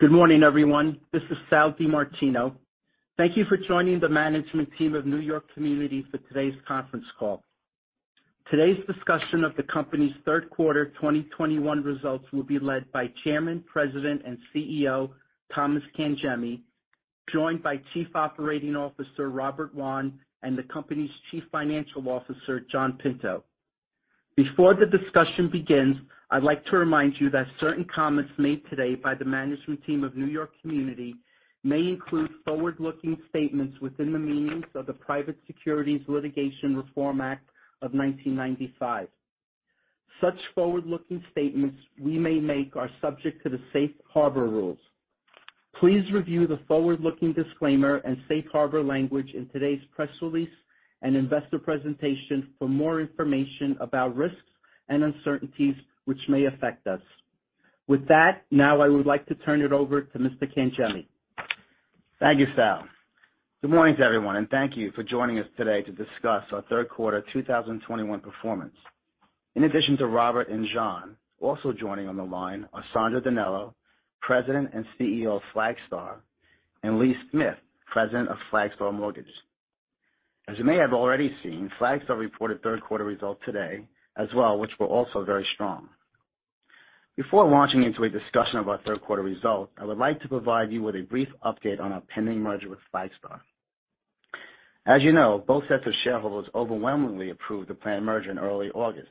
Good morning, everyone. This is Sal DiMartino. Thank you for joining the management team of New York Community for today's conference call. Today's discussion of the company's third quarter 2021 results will be led by Chairman, President, and CEO, Thomas Cangemi; joined by Chief Operating Officer Robert Wann; and the company's Chief Financial Officer, John Pinto. Before the discussion begins, I'd like to remind you that certain comments made today by the management team of New York Community may include forward-looking statements within the meaning of the Private Securities Litigation Reform Act of 1995. Such forward-looking statements we may make are subject to the Safe Harbor rules. Please review the forward-looking disclaimer and Safe Harbor language in today's press release and investor presentation for more information about risks and uncertainties which may affect us. With that, now I would like to turn it over to Mr. Cangemi. Thank you, Sal. Good morning to everyone, and thank you for joining us today to discuss our third quarter 2021 performance. In addition to Robert and John, also joining on the line are Sandro DiNello, President and CEO of Flagstar; and Lee Smith, President of Flagstar Mortgage. As you may have already seen, Flagstar reported third quarter results today as well, which were also very strong. Before launching into a discussion of our third quarter results, I would like to provide you with a brief update on our pending merger with Flagstar. As you know, both sets of shareholders overwhelmingly approved the planned merger in early August.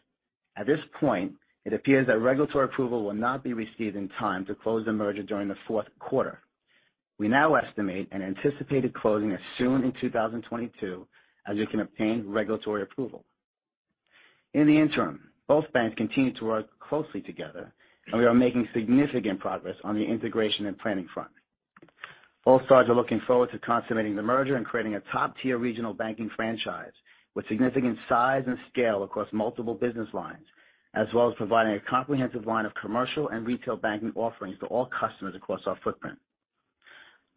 At this point, it appears that regulatory approval will not be received in time to close the merger during the fourth quarter. We now estimate an anticipated closing as soon as 2022 as we can obtain regulatory approval. In the interim, both banks continue to work closely together, and we are making significant progress on the integration and planning front. Both sides are looking forward to consummating the merger and creating a top-tier regional banking franchise with significant size and scale across multiple business lines, as well as providing a comprehensive line of commercial and retail banking offerings to all customers across our footprint.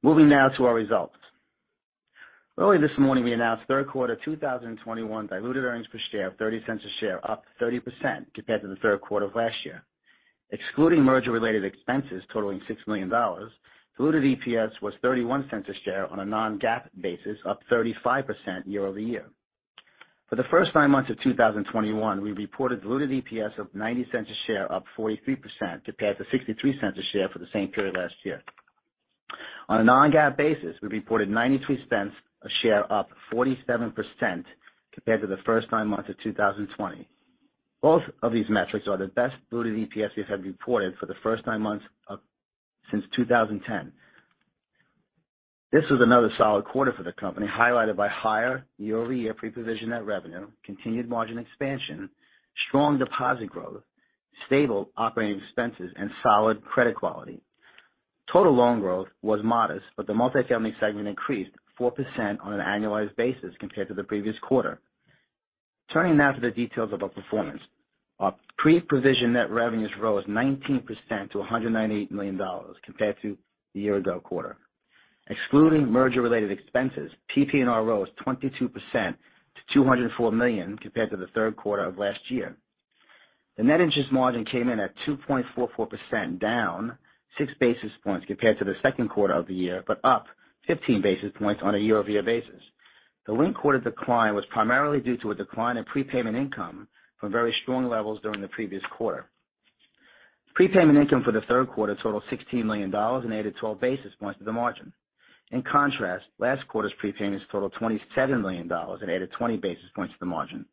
Moving now to our results. Early this morning, we announced third quarter 2021 diluted earnings per share of $0.30 a share, up 30% compared to the third quarter of last year. Excluding merger-related expenses totaling $6 million, diluted EPS was $0.31 a share on a non-GAAP basis, up 35% year-over-year. For the first nine months of 2021, we reported diluted EPS of $0.90 a share, up 43% compared to $0.63 a share for the same period last year. On a non-GAAP basis, we reported $0.93 a share, up 47% compared to the first nine months of 2020. Both of these metrics are the best diluted EPS we have reported for the first nine months since 2010. This was another solid quarter for the company, highlighted by higher year-over-year pre-provision net revenue, continued margin expansion, strong deposit growth, stable operating expenses, and solid credit quality. Total loan growth was modest, but the multi-family segment increased 4% on an annualized basis compared to the previous quarter. Turning now to the details of our performance. Our pre-provision net revenues rose 19% to $198 million compared to the year ago quarter. Excluding merger related expenses, PPNR rose 22% to $204 million compared to the third quarter of last year. The net interest margin came in at 2.44%, down 6 basis points compared to the second quarter of the year, but up 15 basis points on a year-over-year basis. The linked quarter decline was primarily due to a decline in prepayment income from very strong levels during the previous quarter. Prepayment income for the third quarter totaled $16 million and added 12 basis points to the margin. In contrast, last quarter's prepayments totaled $27 million and added 20 basis points to the margin.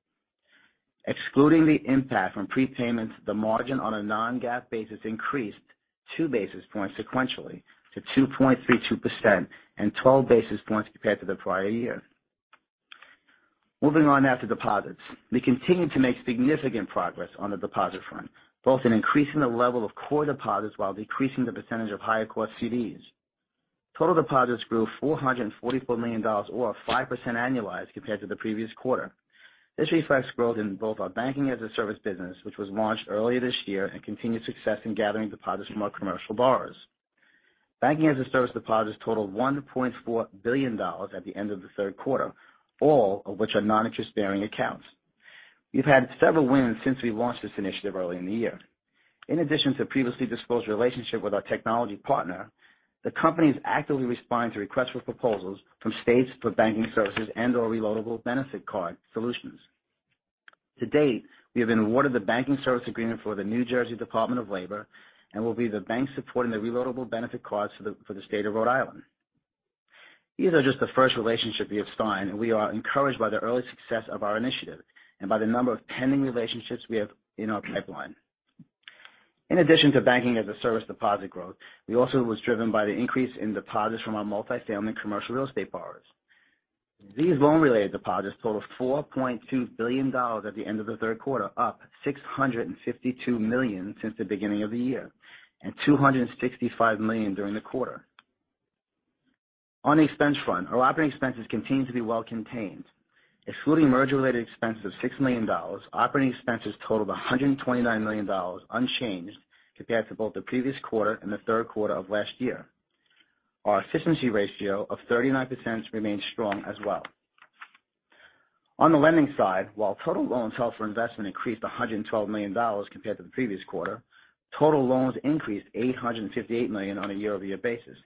Excluding the impact from prepayments, the margin on a non-GAAP basis increased 2 basis points sequentially to 2.32% and 12 basis points compared to the prior year. Moving on now to deposits. We continue to make significant progress on the deposit front, both in increasing the level of core deposits while decreasing the percentage of higher cost CDs. Total deposits grew $444 million or 5% annualized compared to the previous quarter. This reflects growth in both our Banking as a Service business, which was launched earlier this year, and continued success in gathering deposits from our commercial borrowers. Banking as a Service deposits totaled $1.4 billion at the end of the third quarter, all of which are noninterest-bearing accounts. We've had several wins since we launched this initiative early in the year. In addition to previously disclosed relationship with our technology partner, the company is actively responding to requests for proposals from states for banking services and/or reloadable benefit card solutions. To date, we have been awarded the banking service agreement for the New Jersey Department of Labor and will be the bank supporting the reloadable benefit cards for the state of Rhode Island. These are just the first relationship we have signed, and we are encouraged by the early success of our initiative and by the number of pending relationships we have in our pipeline. In addition to Banking as a Service deposit growth, we also was driven by the increase in deposits from our multi-family commercial real estate borrowers. These loan-related deposits totaled $4.2 billion at the end of the third quarter, up $652 million since the beginning of the year, and $265 million during the quarter. On expense front, our operating expenses continue to be well contained. Excluding merger-related expenses of $6 million, operating expenses totaled $129 million, unchanged compared to both the previous quarter and the third quarter of last year. Our efficiency ratio of 39% remains strong as well. On the lending side, while total loans held for investment increased $112 million compared to the previous quarter, total loans increased $858 million on a year-over-year basis.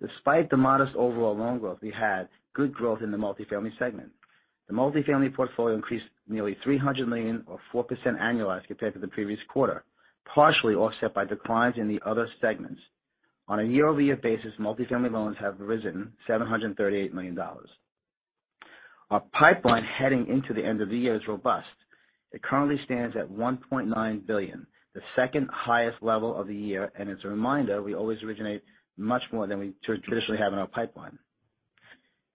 Despite the modest overall loan growth, we had good growth in the multifamily segment. The multifamily portfolio increased nearly $300 million or 4% annualized compared to the previous quarter, partially offset by declines in the other segments. On a year-over-year basis, multifamily loans have risen $738 million. Our pipeline heading into the end of the year is robust. It currently stands at $1.9 billion, the second highest level of the year, and as a reminder, we always originate much more than we traditionally have in our pipeline.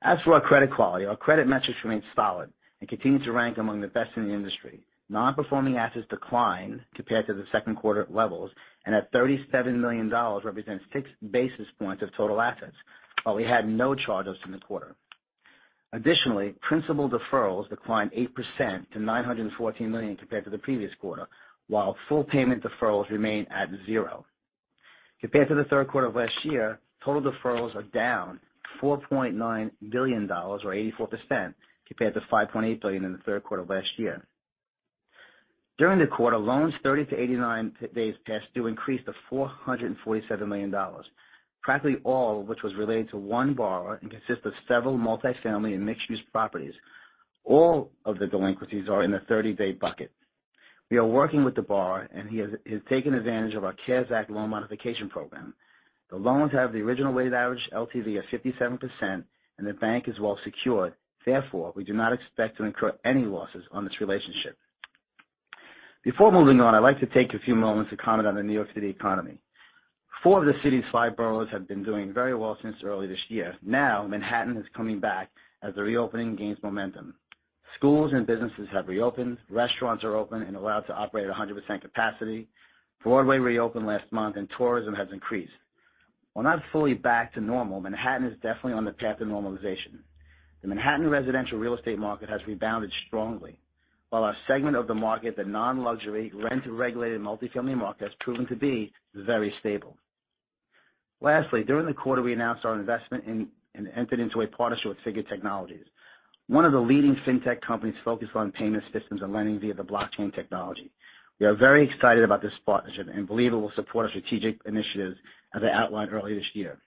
As for our credit quality, our credit metrics remain solid and continue to rank among the best in the industry. Non-performing assets declined compared to the second quarter levels, and, at $37 million, represents 6 basis points of total assets, while we had no charges in the quarter. Additionally, principal deferrals declined 8% to $914 million compared to the previous quarter, while full payment deferrals remained at zero. Compared to the third quarter of last year, total deferrals are down $4.9 billion or 84% compared to $5.8 billion in the third quarter of last year. During the quarter, loans 30-89 days past due increased to $447 million, practically all of which was related to one borrower and consists of several multifamily and mixed-use properties. All of the delinquencies are in the 30-day bucket. We are working with the borrower, and he's taken advantage of our CARES Act loan modification program. The loans have the original weighted average LTV of 57% and the bank is well secured. Therefore, we do not expect to incur any losses on this relationship. Before moving on, I'd like to take a few moments to comment on the New York City economy. Four of the city's five boroughs have been doing very well since early this year. Now, Manhattan is coming back as the reopening gains momentum. Schools and businesses have reopened. Restaurants are open and allowed to operate at 100% capacity. Broadway reopened last month and tourism has increased. While not fully back to normal, Manhattan is definitely on the path to normalization. The Manhattan residential real estate market has rebounded strongly, while our segment of the market, the non-luxury rent-regulated multifamily market, has proven to be very stable. Lastly, during the quarter, we announced our investment in and entered into a partnership with Figure Technologies, one of the leading fintech companies focused on payment systems and lending via the blockchain technology. We are very excited about this partnership and believe it will support our strategic initiatives as I outlined earlier this year.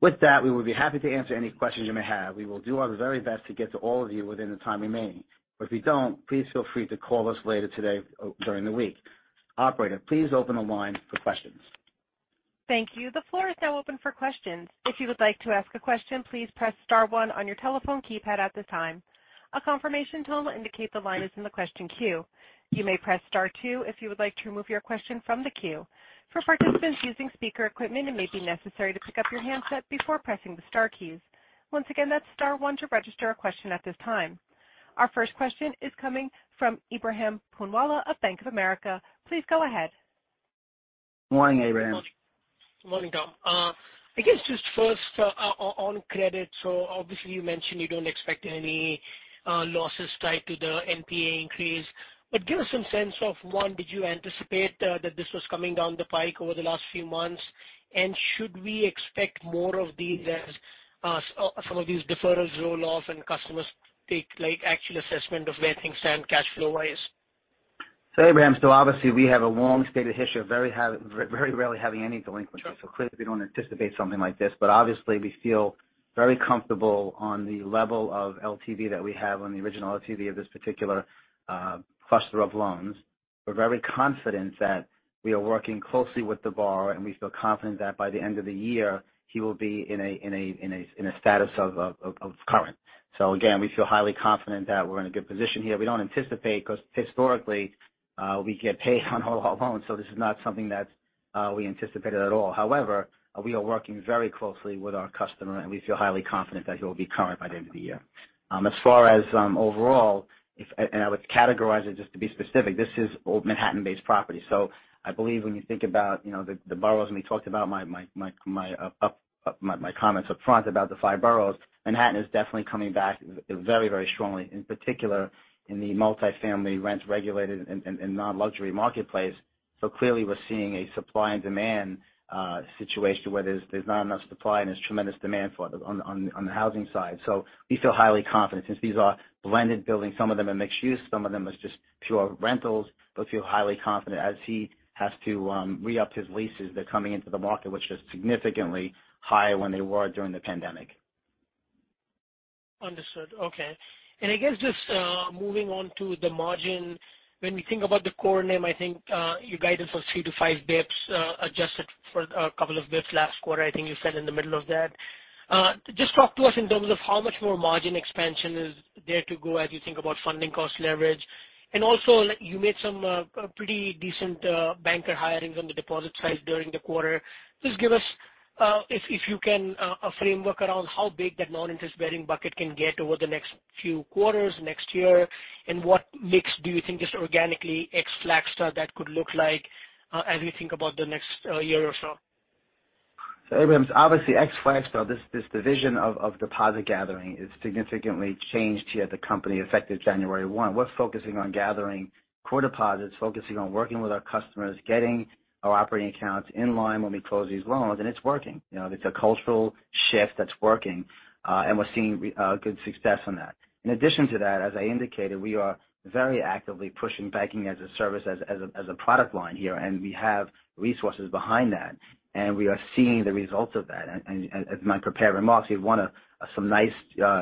With that, we will be happy to answer any questions you may have. We will do our very best to get to all of you within the time remaining. If we don't, please feel free to call us later today or during the week. Operator, please open the line for questions. Thank you. The floor is now open for questions. If you would like to ask a question, please press star one on your telephone keypad at this time. A confirmation tone will indicate the line is in the question queue. You may press star two if you would like to remove your question from the queue. For participants using speaker equipment, it may be necessary to pick up your handset before pressing the star keys. Once again, that's star one to register a question at this time. Our first question is coming from Ebrahim Poonawala of Bank of America. Please go ahead. Morning, Ebrahim. Morning, Tom. I guess just first on credit. Obviously you mentioned you don't expect any losses tied to the NPA increase. Give us some sense of, one, did you anticipate that this was coming down the pike over the last few months? Should we expect more of these as some of these deferrals roll off and customers take like actual assessment of where things stand cash flow-wise? Ebrahim, obviously we have a long-standing history of very rarely having any delinquencies. Sure. Clearly, we don't anticipate something like this. Obviously we feel very comfortable on the level of LTV that we have on the original LTV of this particular cluster of loans. We're very confident that we are working closely with the borrower, and we feel confident that by the end of the year, he will be in a status of current. Again, we feel highly confident that we're in a good position here. We don't anticipate because historically we get paid on all our loans, so this is not something that we anticipated at all. However, we are working very closely with our customer, and we feel highly confident that he will be current by the end of the year. As far as overall, I would categorize it just to be specific, this is all Manhattan-based property. I believe when you think about, you know, the borrowers, and we talked about my comments up front about the five boroughs, Manhattan is definitely coming back very, very strongly, in particular in the multifamily rent-regulated and non-luxury marketplace. Clearly we're seeing a supply and demand situation where there's not enough supply and there's tremendous demand for it on the housing side. We feel highly confident since these are blended buildings, some of them are mixed use, some of them is just pure rentals. I feel highly confident as he has to re-up his leases; they're coming into the market which is significantly higher than they were during the pandemic. Understood. Okay. I guess just moving on to the margin. When we think about the core NIM, I think you guided for 3-5 basis points, adjusted for a couple of basis points last quarter. I think you said in the middle of that. Just talk to us in terms of how much more margin expansion is there to go as you think about funding cost leverage. Also, you made some pretty decent banker hirings on the deposit side during the quarter. Please give us, if you can, a framework around how big that noninterest-bearing bucket can get over the next few quarters, next year, and what mix do you think just organically, ex-Flagstar, that could look like, as we think about the next year or so? Ebrahim, obviously ex-Flagstar, this division of deposit gathering is significantly changed here at the company effective January 1. We're focusing on gathering core deposits, focusing on working with our customers, getting our operating accounts in line when we close these loans and it's working. You know, it's a cultural shift that's working, and we're seeing good success on that. In addition to that, as I indicated, we are very actively pushing Banking as a Service as a product line here, and we have resources behind that. As my prepared remarks, we've won some nice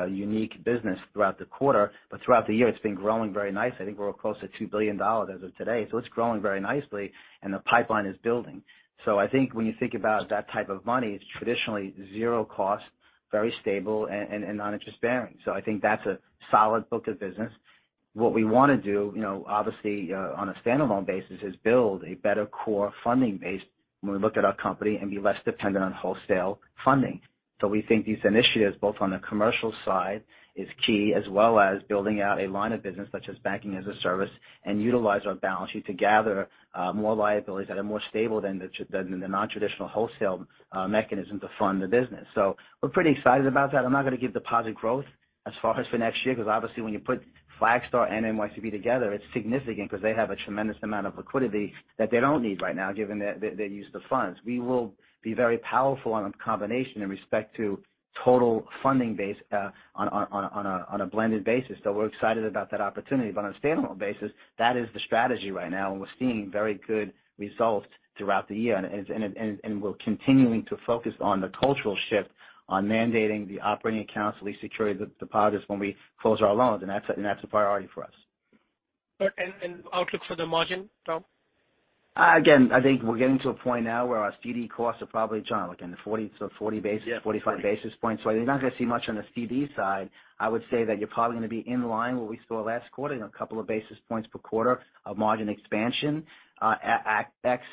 unique business throughout the quarter. Throughout the year, it's been growing very nicely. I think we're close to $2 billion as of today. It's growing very nicely, and the pipeline is building. I think when you think about that type of money, it's traditionally zero cost, very stable and noninterest-bearing. I think that's a solid book of business. What we wanna do, you know, obviously, on a standalone basis, is build a better core funding base when we look at our company and be less dependent on wholesale funding. We think these initiatives, both on the commercial side is key, as well as building out a line of business such as Banking as a Service and utilize our balance sheet to gather more liabilities that are more stable than the non-traditional wholesale mechanism to fund the business. We're pretty excited about that. I'm not gonna give deposit growth as far as for next year, because obviously when you put Flagstar and NYCB together, it's significant because they have a tremendous amount of liquidity that they don't need right now, given that they use the funds. We will be very powerful on a combination in respect to total funding base, on a blended basis. We're excited about that opportunity. On a standalone basis, that is the strategy right now, and we're seeing very good results throughout the year. We're continuing to focus on the cultural shift on mandating the operating accounts to least secure deposits when we close our loans, and that's a priority for us. Outlook for the margin, Tom? Again, I think we're getting to a point now where our CD costs are probably, John, like in the 40-45 basis points. You're not gonna see much on the CD side. I would say that you're probably gonna be in line what we saw last quarter in a couple of basis points per quarter of margin expansion. Ex,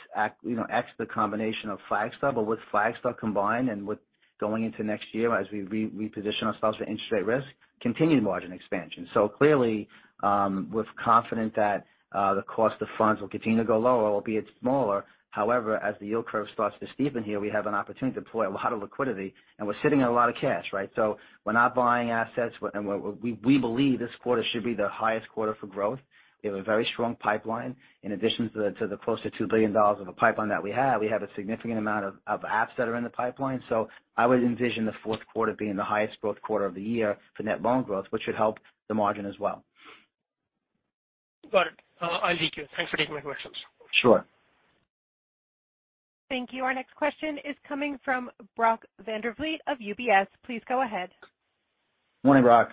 you know, ex the combination of Flagstar. With Flagstar combined and with going into next year as we reposition ourselves for interest rate risk, continued margin expansion. Clearly, we're confident that the cost of funds will continue to go lower, albeit smaller. However, as the yield curve starts to steepen here, we have an opportunity to deploy a lot of liquidity, and we're sitting on a lot of cash, right? We're not buying assets. We believe this quarter should be the highest quarter for growth. We have a very strong pipeline. In addition to the close to $2 billion in the pipeline that we have, we have a significant amount of apps that are in the pipeline. I would envision the fourth quarter being the highest growth quarter of the year for net loan growth, which should help the margin as well. Got it. Thanks for taking my questions. Sure. Thank you. Our next question is coming from Brock Vandervliet of UBS. Please go ahead. Morning, Brock.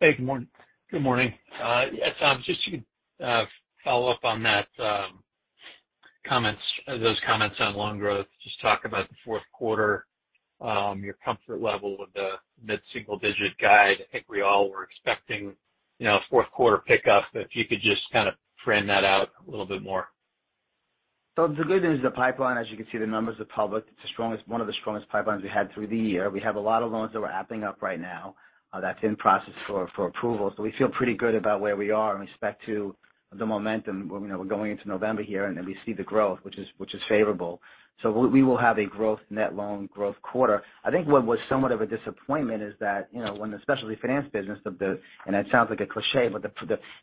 Hey, good morning. Good morning. Yeah, Tom, just to follow up on that, those comments on loan growth. Just talk about the fourth quarter, your comfort level with the mid-single digit guide. I think we all were expecting, you know, a fourth quarter pickup. If you could just kind of trend that out a little bit more? The good news is the pipeline, as you can see, the numbers are public. It's the strongest, one of the strongest pipelines we had through the year. We have a lot of loans that we're wrapping up right now, that's in process for approval. We feel pretty good about where we are in respect to the momentum. You know, we're going into November here, and then we see the growth, which is favorable. We will have a growth net loan growth quarter. I think what was somewhat of a disappointment is that, you know, when the specialty finance business and it sounds like a cliché, but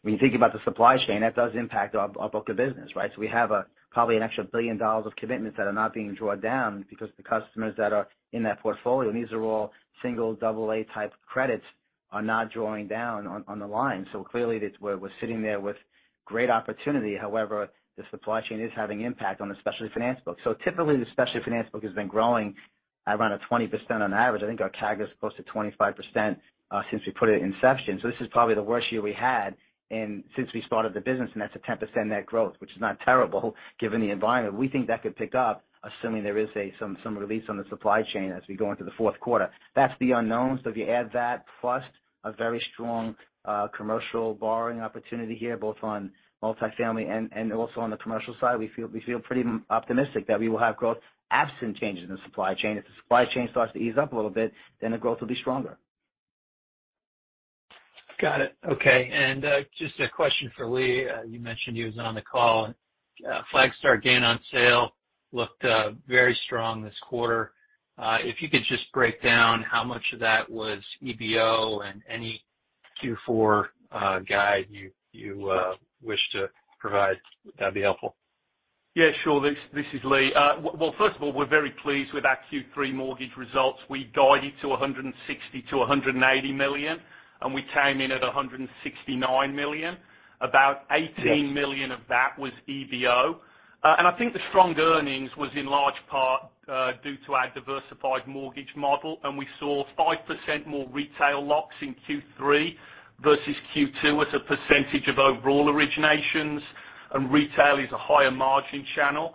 when you think about the supply chain, that does impact our book of business, right? We have probably an extra $1 billion of commitments that are not being drawn down because the customers that are in that portfolio, and these are all single AA-type credits, are not drawing down on the line. Clearly, we're sitting there with great opportunity. However, the supply chain is having impact on the specialty finance book. Typically, the specialty finance book has been growing at around 20% on average. I think our CAGR is close to 25%, since its inception. This is probably the worst year we had since we started the business, and that's a 10% net growth, which is not terrible given the environment. We think that could pick up assuming there is some release on the supply chain as we go into the fourth quarter. That's the unknown. If you add that plus a very strong commercial borrowing opportunity here, both on multifamily and also on the commercial side, we feel pretty optimistic that we will have growth absent changes in the supply chain. If the supply chain starts to ease up a little bit, then the growth will be stronger. Got it. Okay. Just a question for Lee. You mentioned you was on the call. Flagstar gain on sale looked very strong this quarter. If you could just break down how much of that was EBO and any Q4 guide you wish to provide, that'd be helpful? Yeah, sure. This is Lee. Well, first of all, we're very pleased with our Q3 mortgage results. We guided to $160 million-$180 million, and we came in at $169 million. About $18 million of that was EBO. I think the strong earnings was in large part due to our diversified mortgage model. We saw 5% more retail locks in Q3 versus Q2 as a percentage of overall originations. Retail is a higher margin channel.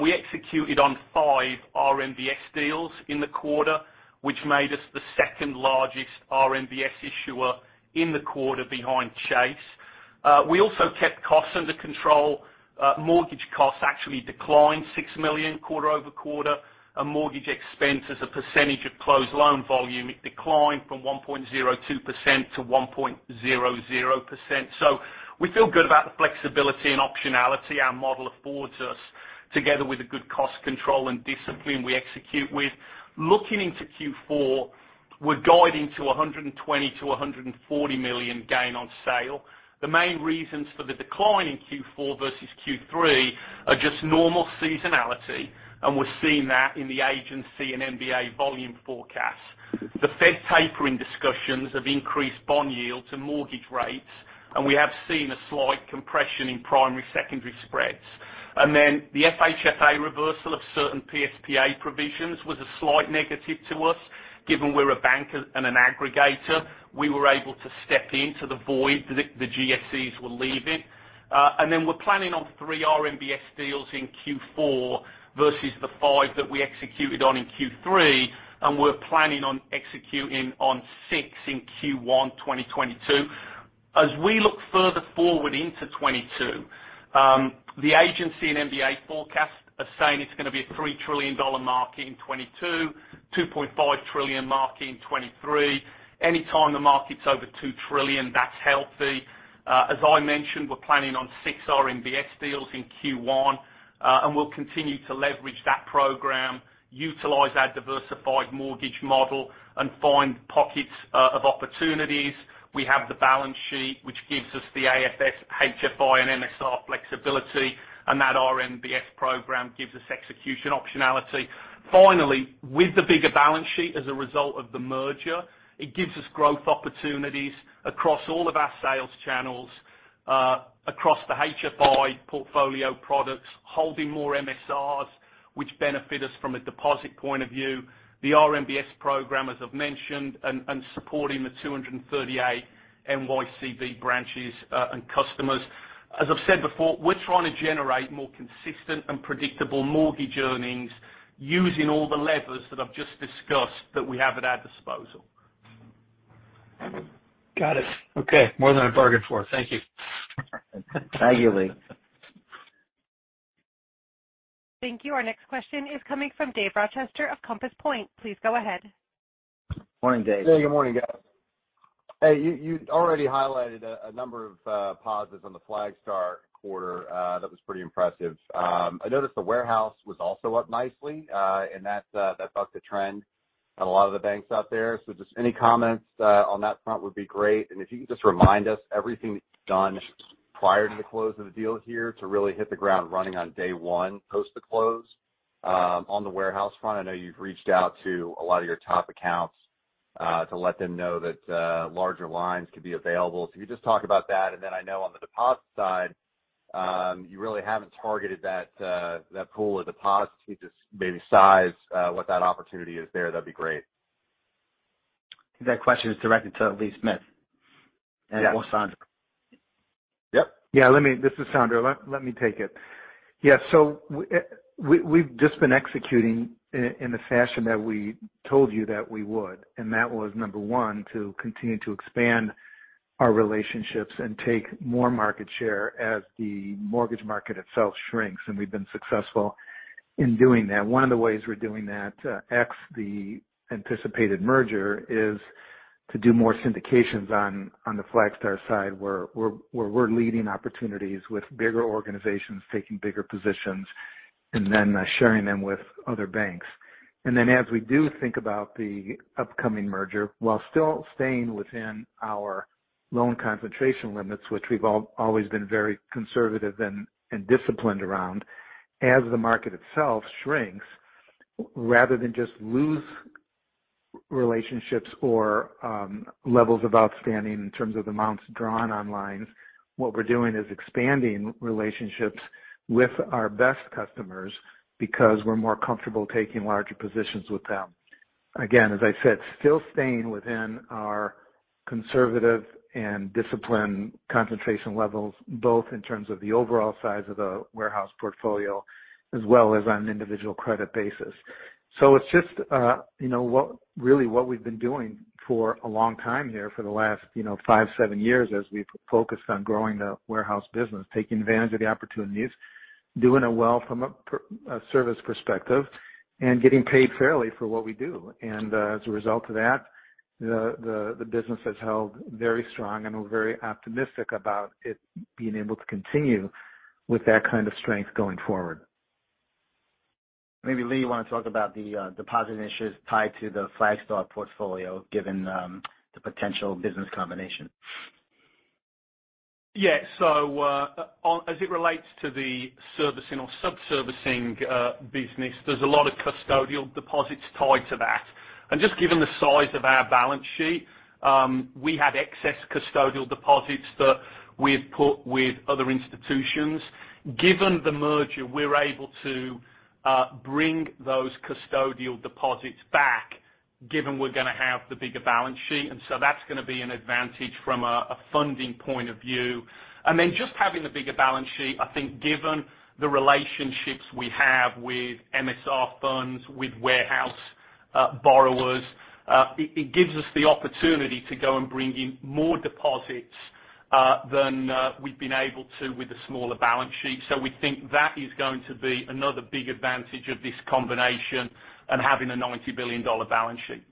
We executed on five RMBS deals in the quarter, which made us the second largest RMBS issuer in the quarter behind Chase. We also kept costs under control. Mortgage costs actually declined $6 million quarter-over-quarter. Mortgage expense as a percentage of closed loan volume, it declined from 1.02%-1.00%. We feel good about the flexibility and optionality our model affords us together with the good cost control and discipline we execute with. Looking into Q4, we're guiding to $120 million-$140 million gain on sale. The main reasons for the decline in Q4 versus Q3 are just normal seasonality, and we're seeing that in the agency and MBA volume forecast. The Fed tapering discussions have increased bond yields and mortgage rates, and we have seen a slight compression in primary-secondary spreads. The FHFA reversal of certain PSPA provisions was a slight negative to us, given we're a bank and an aggregator. We were able to step into the void the GSEs were leaving. We're planning on three RMBS deals in Q4 versus the five that we executed on in Q3, and we're planning on executing on six in Q1 2022. As we look further forward into 2022, the agency and MBA forecasts are saying it's gonna be a $3 trillion market in 2022, $2.5 trillion market in 2023. Anytime the market's over $2 trillion, that's healthy. As I mentioned, we're planning on six RMBS deals in Q1, and we'll continue to leverage that program, utilize our diversified mortgage model, and find pockets of opportunities. We have the balance sheet, which gives us the AFS, HFI, and MSR flexibility, and that RMBS program gives us execution optionality. Finally, with the bigger balance sheet as a result of the merger, it gives us growth opportunities across all of our sales channels, across the HFI portfolio products, holding more MSRs, which benefit us from a deposit point of view. The RMBS program, as I've mentioned, and supporting the 238 NYCB branches and customers. As I've said before, we're trying to generate more consistent and predictable mortgage earnings using all the levers that I've just discussed that we have at our disposal. Got it. Okay. More than I bargained for. Thank you. Thank you, Lee. Thank you. Our next question is coming from Dave Rochester of Compass Point. Please go ahead. Morning, Dave. Hey, good morning, guys. Hey, you already highlighted a number of positives on the Flagstar quarter, that was pretty impressive. I noticed the warehouse was also up nicely, and that bucked the trend at a lot of the banks out there. Just any comments on that front would be great. If you can just remind us everything that's done prior to the close of the deal here to really hit the ground running on day one post the close. On the warehouse front, I know you've reached out to a lot of your top accounts to let them know that larger lines could be available. If you could just talk about that, and then I know on the deposit side you really haven't targeted that pool of deposits. Can you just maybe size, what that opportunity is there? That'd be great. I think that question is directed to Lee Smith. Yeah. or Alessandro DiNello. Yep. This is Sandro. Let me take it. We've just been executing in the fashion that we told you that we would, and that was number one, to continue to expand our relationships and take more market share as the mortgage market itself shrinks, and we've been successful in doing that. One of the ways we're doing that, excluding the anticipated merger, is to do more syndications on the Flagstar side, where we're leading opportunities with bigger organizations taking bigger positions and then sharing them with other banks. As we do think about the upcoming merger, while still staying within our loan concentration limits, which we've always been very conservative and disciplined around, as the market itself shrinks, rather than just lose relationships or levels of outstanding in terms of amounts drawn on lines, what we're doing is expanding relationships with our best customers because we're more comfortable taking larger positions with them. Again, as I said, still staying within our conservative and disciplined concentration levels, both in terms of the overall size of the warehouse portfolio as well as on an individual credit basis. It's just, you know, what, really what we've been doing for a long time here for the last, you know, five, seven years as we've focused on growing the warehouse business, taking advantage of the opportunities, doing it well from a service perspective, and getting paid fairly for what we do. As a result of that, the business has held very strong, and we're very optimistic about it being able to continue with that kind of strength going forward. Maybe Lee, you want to talk about the deposit initiatives tied to the Flagstar portfolio given the potential business combination? As it relates to the servicing or subservicing business, there's a lot of custodial deposits tied to that. Just given the size of our balance sheet, we had excess custodial deposits that we've put with other institutions. Given the merger, we're able to bring those custodial deposits back, given we're gonna have the bigger balance sheet. That's gonna be an advantage from a funding point of view. Just having the bigger balance sheet, I think given the relationships we have with MSR funds, with warehouse borrowers, it gives us the opportunity to go and bring in more deposits than we've been able to with the smaller balance sheet. We think that is going to be another big advantage of this combination and having a $90 billion balance sheet.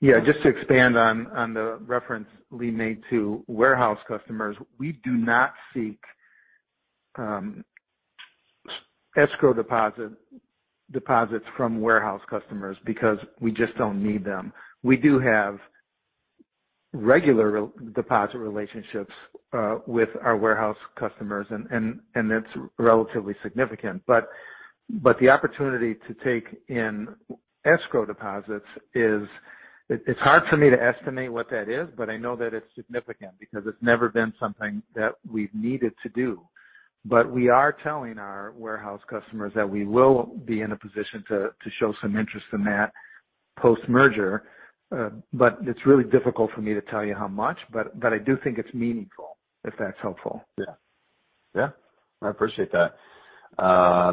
Yeah. Just to expand on the reference Lee made to warehouse customers, we do not seek escrow deposits from warehouse customers because we just don't need them. We do have regular deposit relationships with our warehouse customers and it's relatively significant. The opportunity to take in escrow deposits is hard for me to estimate what that is, but I know that it's significant because it's never been something that we've needed to do. We are telling our warehouse customers that we will be in a position to show some interest in that post-merger. It's really difficult for me to tell you how much, but I do think it's meaningful, if that's helpful? Yeah. I appreciate that.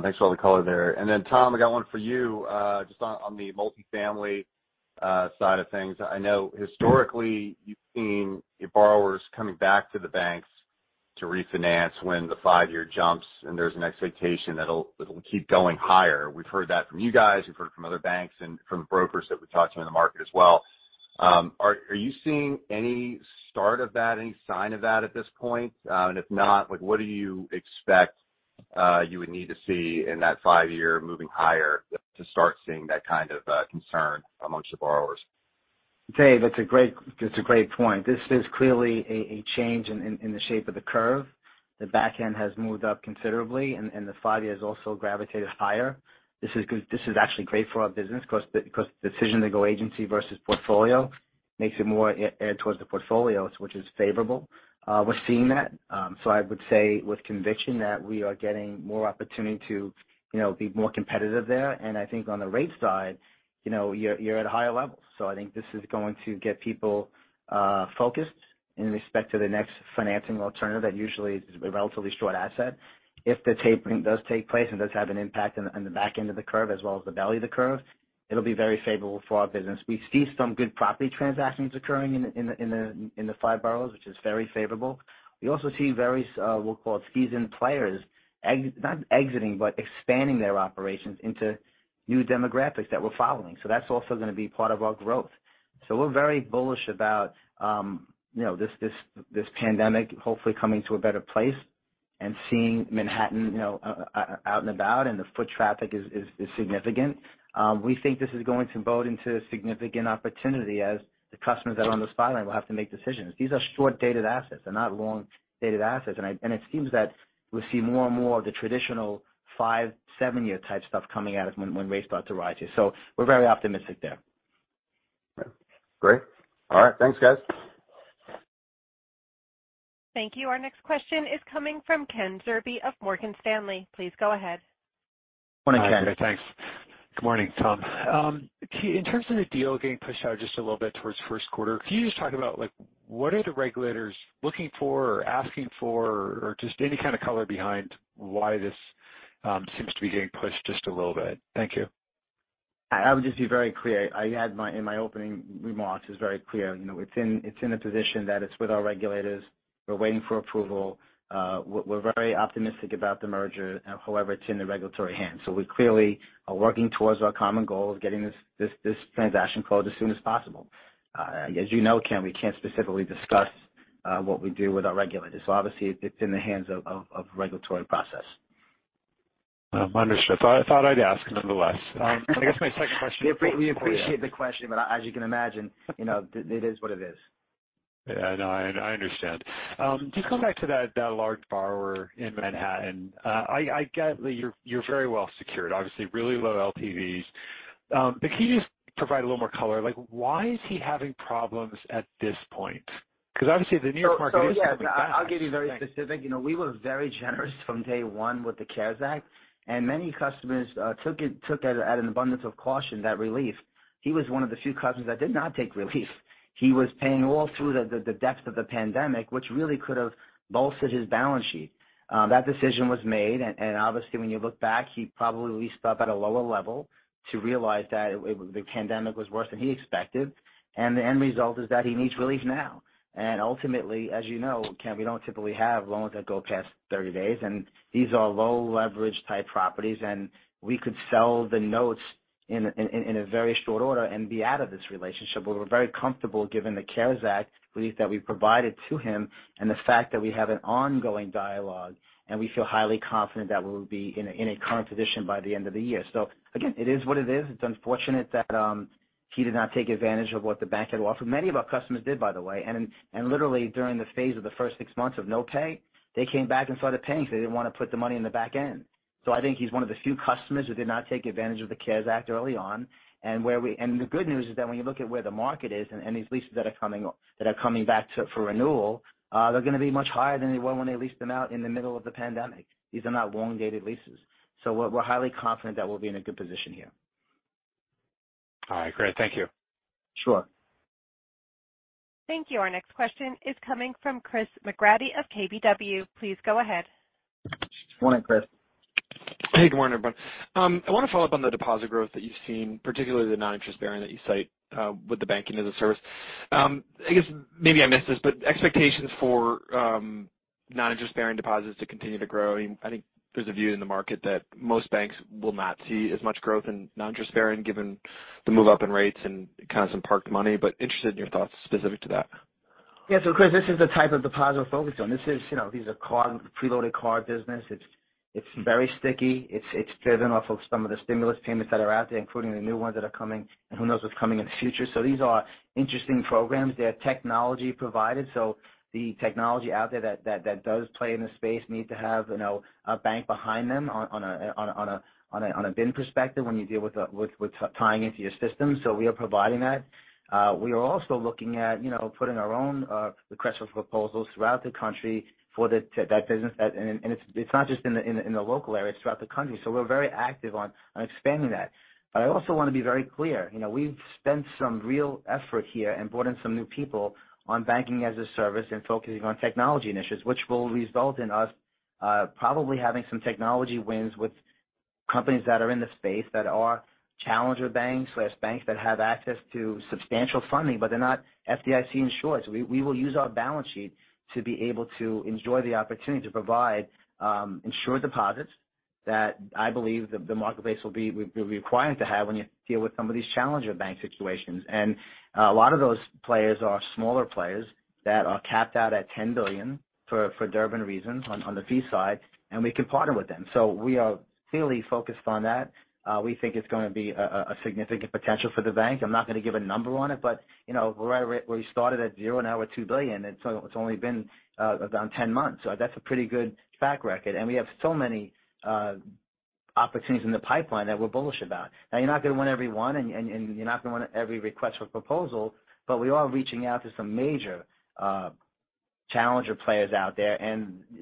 Thanks for all the color there. Then Tom, I got one for you, just on the multifamily side of things. I know historically you've seen your borrowers coming back to the banks to refinance when the five-year jumps, and there's an expectation that it'll keep going higher. We've heard that from you guys, we've heard it from other banks and from the brokers that we're talking to in the market as well. Are you seeing any start of that, any sign of that at this point? And if not, like, what do you expect you would need to see in that five-year moving higher to start seeing that kind of concern amongst the borrowers? Dave, that's a great point. This is clearly a change in the shape of the curve. The back end has moved up considerably and the five-year has also gravitated higher. This is good. This is actually great for our business because the decision to go agency versus portfolio makes it more edged towards the portfolios, which is favorable. We're seeing that. I would say with conviction that we are getting more opportunity to, you know, be more competitive there. I think on the rate side, you know, you're at higher levels. I think this is going to get people focused in respect to the next financing alternative that usually is a relatively short asset. If the tapering does take place and does have an impact on the back end of the curve as well as the belly of the curve, it'll be very favorable for our business. We see some good property transactions occurring in the five boroughs, which is very favorable. We also see various, we'll call it seasoned players not exiting, but expanding their operations into new demographics that we're following. That's also gonna be part of our growth. We're very bullish about, you know, this pandemic hopefully coming to a better place and seeing Manhattan, you know, out and about, and the foot traffic is significant. We think this is going to bode into significant opportunity as the customers that are on the sideline will have to make decisions. These are short-dated assets. They're not long-dated assets. It seems that we'll see more and more of the traditional five, seven-year type stuff coming at us when rates start to rise here. We're very optimistic there. Great. All right. Thanks, guys. Thank you. Our next question is coming from Ken Zerbe of Morgan Stanley. Please go ahead. Morning, Ken. Hi, Ken. Thanks. Good morning, Tom. In terms of the deal getting pushed out just a little bit towards first quarter, can you just talk about like, what are the regulators looking for or asking for or just any kind of color behind why this seems to be getting pushed just a little bit? Thank you. I would just be very clear. I made it very clear in my opening remarks. You know, it's in a position that it's with our regulators. We're waiting for approval. We're very optimistic about the merger, however, it's in the regulatory hands. We clearly are working towards our common goal of getting this transaction closed as soon as possible. As you know, Ken, we can't specifically discuss what we do with our regulators. Obviously it's in the hands of the regulatory process. Understood. Thought I'd ask nonetheless. I guess my second question- We appreciate the question, but as you can imagine, you know, it is what it is. Yeah, no, I understand. Just coming back to that large borrower in Manhattan. I get that you're very well secured, obviously really low LTVs. Can you just provide a little more color like why is he having problems at this point? Because obviously the New York market is coming back. I'll give you very specific. You know, we were very generous from day one with the CARES Act, and many customers took it at an abundance of caution, that relief. He was one of the few customers that did not take relief. He was paying all through the depths of the pandemic, which really could have bolstered his balance sheet. That decision was made, and obviously when you look back, he probably leased up at a lower level to realize that the pandemic was worse than he expected. The end result is that he needs relief now. Ultimately, as you know, Ken, we don't typically have loans that go past 30 days. These are low leverage type properties. We could sell the notes in a very short order and be out of this relationship. We're very comfortable given the CARES Act relief that we provided to him and the fact that we have an ongoing dialogue, and we feel highly confident that we'll be in a current position by the end of the year. Again, it is what it is. It's unfortunate that he did not take advantage of what the bank had offered. Many of our customers did, by the way. Literally during the phase of the first six months of no pay, they came back and started paying because they didn't want to put the money in the back end. I think he's one of the few customers who did not take advantage of the CARES Act early on. The good news is that when you look at where the market is and these leases that are coming back to for renewal, they're gonna be much higher than they were when they leased them out in the middle of the pandemic. These are not long-dated leases. We're highly confident that we'll be in a good position here. All right, great. Thank you. Sure. Thank you. Our next question is coming from Chris McGratty of KBW. Please go ahead. Morning, Chris. Hey, good morning, everyone. I want to follow up on the deposit growth that you've seen, particularly the noninterest-bearing that you cite, with the banking as a service. I guess maybe I missed this, but expectations for noninterest-bearing deposits to continue to grow. I think there's a view in the market that most banks will not see as much growth in noninterest-bearing given the move up in rates and kind of some parked money. Interested in your thoughts specific to that. Yeah. Chris, this is the type of deposit we're focused on. These are prepaid card business. It's very sticky. It's driven off of some of the stimulus payments that are out there, including the new ones that are coming and who knows what's coming in the future. These are interesting programs. They are technology provided, so the technology out there that does play in the space need to have a bank behind them on a BIN perspective when you deal with tying into your system. We are providing that. We are also looking at putting our own requests for proposals throughout the country to that business. It's not just in the local area, it's throughout the country. We're very active on expanding that. But I also wanna be very clear. You know, we've spent some real effort here and brought in some new people on Banking as a Service and focusing on technology initiatives, which will result in us probably having some technology wins with companies that are in the space that are challenger banks that have access to substantial funding, but they're not FDIC insured. We will use our balance sheet to be able to enjoy the opportunity to provide insured deposits that I believe the marketplace will be required to have when you deal with some of these challenger bank situations. A lot of those players are smaller players that are capped out at $10 billion for Durbin reasons on the fee side, and we can partner with them. We are clearly focused on that. We think it's gonna be a significant potential for the bank. I'm not gonna give a number on it, but you know, right at where we started at zero, now we're $2 billion, and it's only been around 10 months. That's a pretty good track record. We have so many opportunities in the pipeline that we're bullish about. Now, you're not gonna win every one and you're not gonna win every request for proposal, but we are reaching out to some major challenger players out there.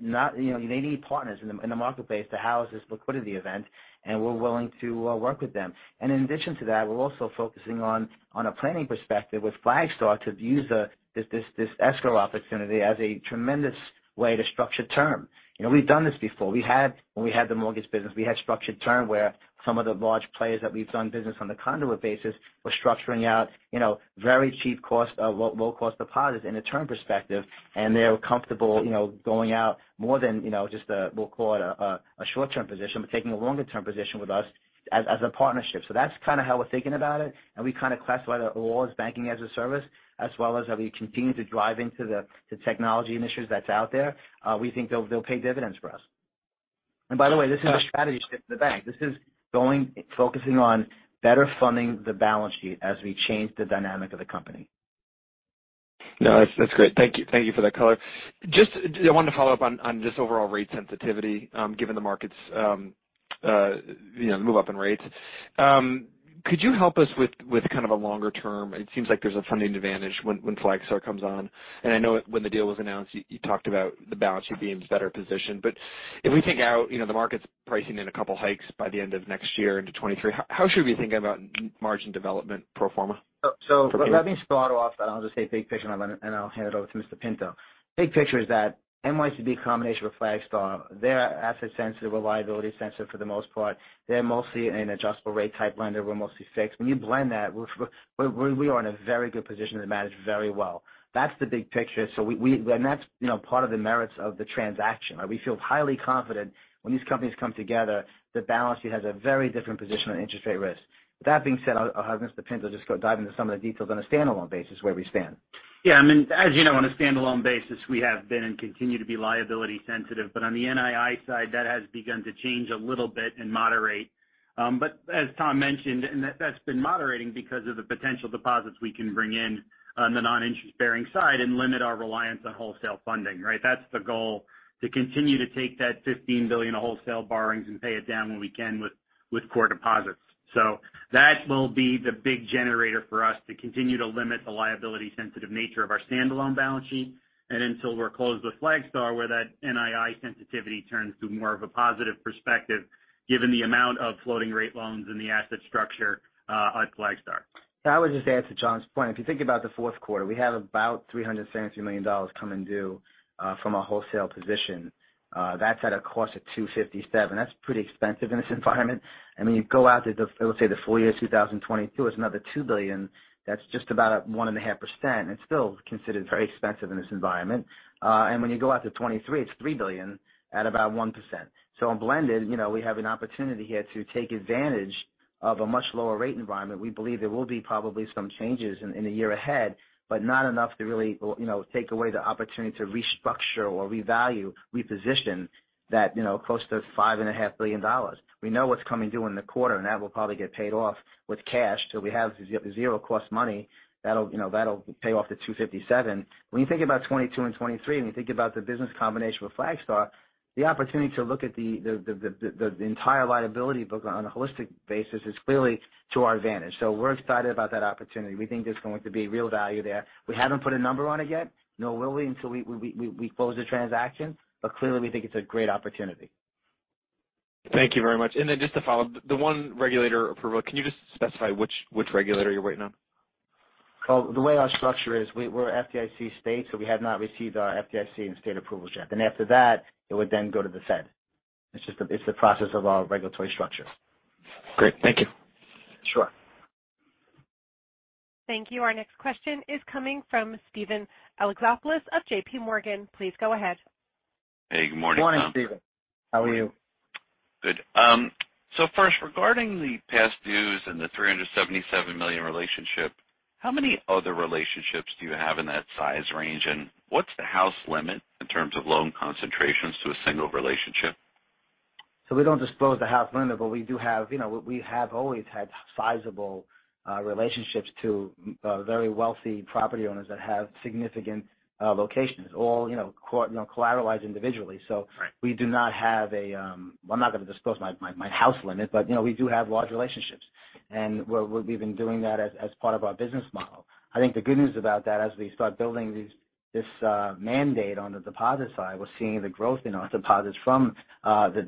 Not, you know, they need partners in the marketplace to house this liquidity event, and we're willing to work with them. In addition to that, we're also focusing on a planning perspective with Flagstar to use this escrow opportunity as a tremendous way to structure term. You know, we've done this before. When we had the mortgage business, we had structured term where some of the large players that we've done business on the conduit basis were structuring out, you know, very cheap cost, low-cost deposits in a term perspective, and they were comfortable, you know, going out more than, you know, just a, we'll call it a short-term position, but taking a longer-term position with us as a partnership. That's kinda how we're thinking about it. We kinda classify that all as Banking as a Service, as well as how we continue to drive into the technology initiatives that's out there. We think they'll pay dividends for us. By the way, this is a strategy shift for the bank. This is focusing on better funding the balance sheet as we change the dynamic of the company. No, that's great. Thank you. Thank you for that color. Just, I wanted to follow up on just overall rate sensitivity, given the market's you know, move up in rates. Could you help us with kind of a longer term? It seems like there's a funding advantage when Flagstar comes on. I know when the deal was announced, you talked about the balance sheet being better positioned. If we take out, you know, the market's pricing in a couple hikes by the end of next year into 2023, how should we think about margin development pro forma? Let me start off, and I'll just say big picture, and I'll hand it over to Mr. Pinto. Big picture is that NYCB combination with Flagstar, they're asset sensitive, liability sensitive for the most part. They're mostly an adjustable rate type lender. We're mostly fixed. When you blend that, we are in a very good position to manage very well. That's the big picture. That's, you know, part of the merits of the transaction. We feel highly confident when these companies come together, the balance sheet has a very different position on interest rate risk. With that being said, I'll have Mr. Pinto just go dive into some of the details on a standalone basis where we stand. Yeah. I mean, as you know, on a standalone basis, we have been and continue to be liability sensitive. On the NII side, that has begun to change a little bit and moderate. As Tom mentioned, that's been moderating because of the potential deposits we can bring in on the noninterest-bearing side and limit our reliance on wholesale funding, right? That's the goal, to continue to take that $15 billion of wholesale borrowings and pay it down when we can with core deposits. That will be the big generator for us to continue to limit the liability sensitive nature of our standalone balance sheet, and until we're closed with Flagstar, where that NII sensitivity turns to more of a positive perspective given the amount of floating rate loans in the asset structure at Flagstar. I would just add to John's point. If you think about the fourth quarter, we have about $373 million coming due from a wholesale position. That's at a cost of 2.57%. That's pretty expensive in this environment. I mean, you go out to the, let's say, the full year 2022, it's another $2 billion. That's just about 1.5%. It's still considered very expensive in this environment. And when you go out to 2023, it's $3 billion at about 1%. In blended, you know, we have an opportunity here to take advantage of a much lower rate environment. We believe there will be probably some changes in the year ahead, but not enough to really, you know, take away the opportunity to restructure or revalue, reposition that, you know, close to $5.5 billion. We know what's coming due in the quarter, and that will probably get paid off with cash. We have zero cost money. That'll, you know, pay off the 2.57%. When you think about 2022 and 2023, and you think about the business combination with Flagstar, the opportunity to look at the entire liability book on a holistic basis is clearly to our advantage. We're excited about that opportunity. We think there's going to be real value there. We haven't put a number on it yet, nor will we until we close the transaction. Clearly, we think it's a great opportunity. Thank you very much. Just to follow up, the one regulator approval, can you just specify which regulator you're waiting on? Well, the way our structure is we're FDIC state, so we have not received our FDIC and state approvals yet. After that, it would then go to the Fed. It's just the process of our regulatory structure. Great. Thank you. Sure. Thank you. Our next question is coming from Steven Alexopoulos of JPMorgan. Please go ahead. Hey, good morning, Tom. Morning, Steven. How are you? Good. First, regarding the past dues and the $377 million relationship, how many other relationships do you have in that size range? And what's the house limit in terms of loan concentrations to a single relationship? We don't disclose the house limit, but we do have. You know, we have always had sizable relationships to very wealthy property owners that have significant locations, all you know, collateralized individually. Right. We do not have a. Well, I'm not gonna disclose my house limit, but you know, we do have large relationships, and we've been doing that as part of our business model. I think the good news about that, as we start building this mandate on the deposit side, we're seeing the growth in our deposits from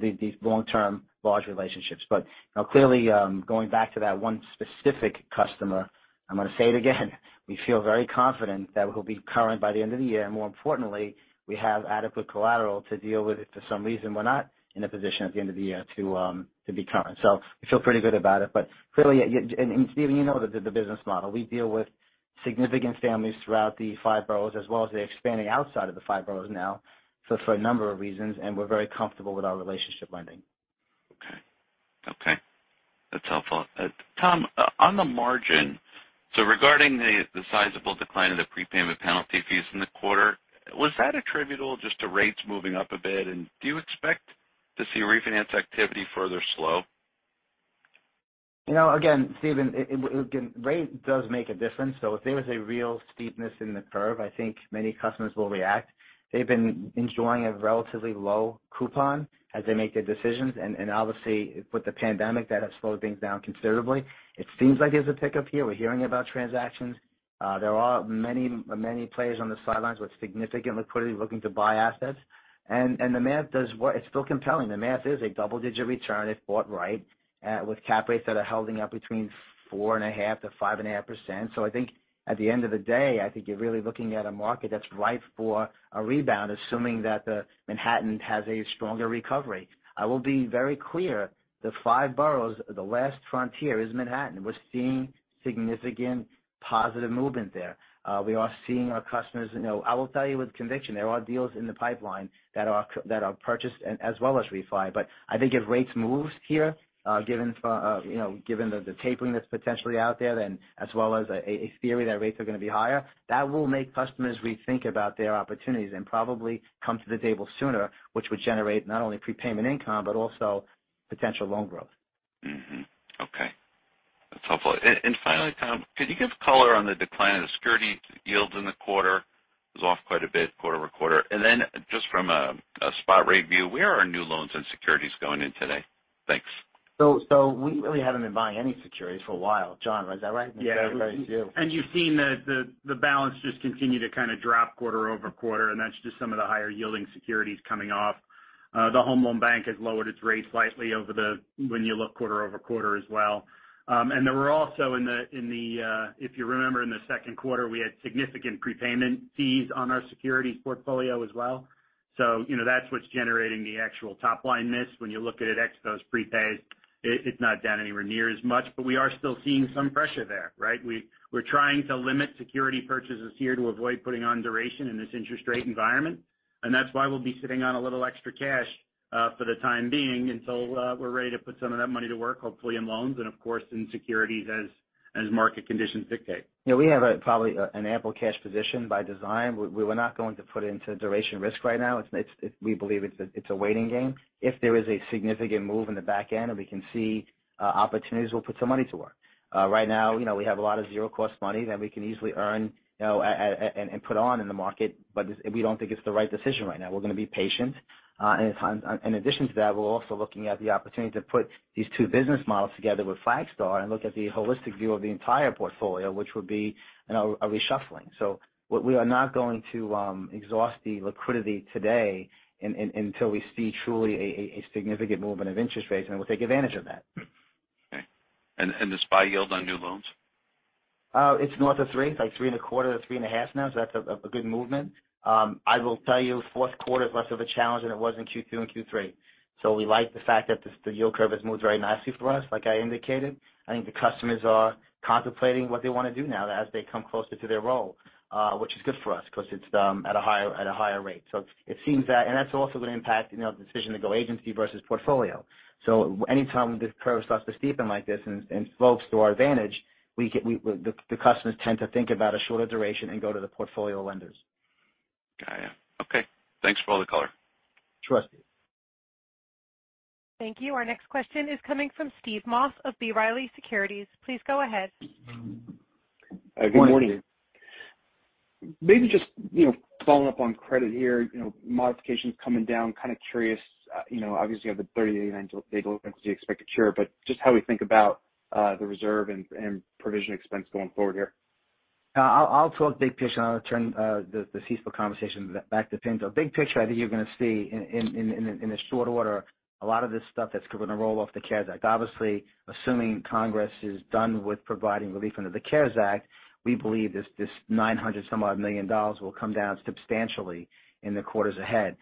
these long-term large relationships. You know, clearly, going back to that one specific customer, I'm gonna say it again, we feel very confident that we'll be current by the end of the year. More importantly, we have adequate collateral to deal with it if for some reason we're not in a position at the end of the year to be current. We feel pretty good about it. Clearly, and Steven, you know the business model. We deal with significant families throughout the Five Boroughs, as well as they're expanding outside of the Five Boroughs now for a number of reasons, and we're very comfortable with our relationship lending. Okay. Okay, that's helpful. Tom, on the margin, regarding the sizable decline in the prepayment penalty fees in the quarter, was that attributable just to rates moving up a bit? And do you expect to see refinance activity further slow? You know, again, Steven, again, rate does make a difference, so if there is a real steepness in the curve, I think many customers will react. They've been enjoying a relatively low coupon as they make their decisions. Obviously, with the pandemic, that has slowed things down considerably. It seems like there's a pickup here. We're hearing about transactions. There are many players on the sidelines with significant liquidity looking to buy assets. The math does work. It's still compelling. The math is a double-digit return if bought right, with cap rates that are holding up between 4.5%-5.5%. I think at the end of the day, I think you're really looking at a market that's ripe for a rebound, assuming that the Manhattan has a stronger recovery. I will be very clear, the five boroughs, the last frontier is Manhattan. We're seeing significant positive movement there. We are seeing our customers, you know. I will tell you with conviction, there are deals in the pipeline that are purchase as well as refi. I think if rates moves here, given the tapering that's potentially out there, you know, as well as a theory that rates are going to be higher, that will make customers rethink about their opportunities and probably come to the table sooner, which would generate not only prepayment income, but also potential loan growth. Mm-hmm. Okay. That's helpful. Finally, Tom, could you give color on the decline in the securities yields in the quarter? It was off quite a bit quarter-over-quarter. Then just from a spot rate view, where are new loans and securities going in today? Thanks. We really haven't been buying any securities for a while. John, was that right? Yeah. You've seen the balance just continue to kind of drop quarter-over-quarter, and that's just some of the higher yielding securities coming off. The Home Loan Bank has lowered its rate slightly when you look quarter-over-quarter as well. And there were also, if you remember, in the second quarter, we had significant prepayment fees on our securities portfolio as well. You know, that's what's generating the actual top line miss. When you look at it ex those prepays, it's not down anywhere near as much, but we are still seeing some pressure there, right? We're trying to limit security purchases here to avoid putting on duration in this interest rate environment. That's why we'll be sitting on a little extra cash for the time being until we're ready to put some of that money to work, hopefully in loans and of course in securities as market conditions dictate. Yeah, we have probably an ample cash position by design. We were not going to put into duration risk right now. We believe it's a waiting game. If there is a significant move in the back end and we can see opportunities, we'll put some money to work. Right now, you know, we have a lot of zero cost money that we can easily earn, you know, and put on in the market, but we don't think it's the right decision right now. We're gonna be patient. In addition to that, we're also looking at the opportunity to put these two business models together with Flagstar and look at the holistic view of the entire portfolio, which would be, you know, a reshuffling. What we are not going to exhaust the liquidity today until we see truly a significant movement of interest rates, and we'll take advantage of that. Okay. The spot yield on new loans? It's north of 3%, it's like 3.25%-3.5% now. That's a good movement. Fourth quarter is less of a challenge than it was in Q2 and Q3. We like the fact that the yield curve has moved very nicely for us, like I indicated. I think the customers are contemplating what they want to do now as they come closer to their roll, which is good for us because it's at a higher rate. It seems that that's also going to impact, you know, the decision to go agency versus portfolio. Anytime this curve starts to steepen like this and slopes to our advantage, the customers tend to think about a shorter duration and go to the portfolio lenders. Got you. Okay. Thanks for all the color. Sure. Thank you. Our next question is coming from Stephen Moss of B. Riley Securities. Please go ahead. Morning. Maybe just, you know, following up on credit here, you know, obviously you have the 30-day event delinquency expected cure, but just how we think about the reserve and provision expense going forward here? I'll talk big picture, and I'll turn the CECL conversation back to Pinto. Big picture, I think you're gonna see in a short order, a lot of this stuff that's gonna roll off the CARES Act. Obviously, assuming Congress is done with providing relief under the CARES Act, we believe this $900 million will come down substantially in the quarters ahead.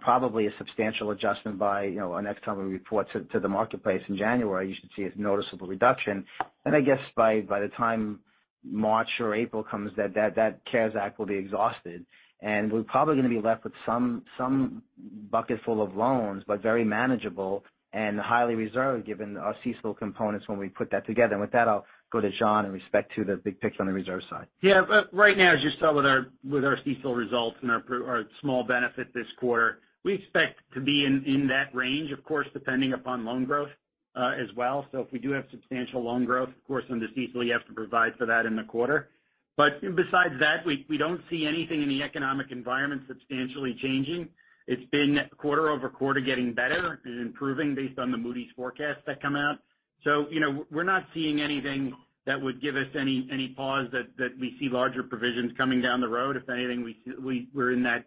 Probably a substantial adjustment by, you know, next time we report to the marketplace in January, you should see a noticeable reduction. I guess by the time March or April comes, that CARES Act will be exhausted. We're probably gonna be left with some bucket full of loans, but very manageable and highly reserved given our CECL components when we put that together. With that, I'll go to John in respect to the big picture on the reserve side. Yeah. Right now, as you saw with our CECL results and our small benefit this quarter, we expect to be in that range, of course, depending upon loan growth, as well. If we do have substantial loan growth, of course, under CECL, you have to provide for that in the quarter. Besides that, we don't see anything in the economic environment substantially changing. It's been quarter-over-quarter getting better and improving based on the Moody's forecast that come out. You know, we're not seeing anything that would give us any pause that we see larger provisions coming down the road. If anything, we're in that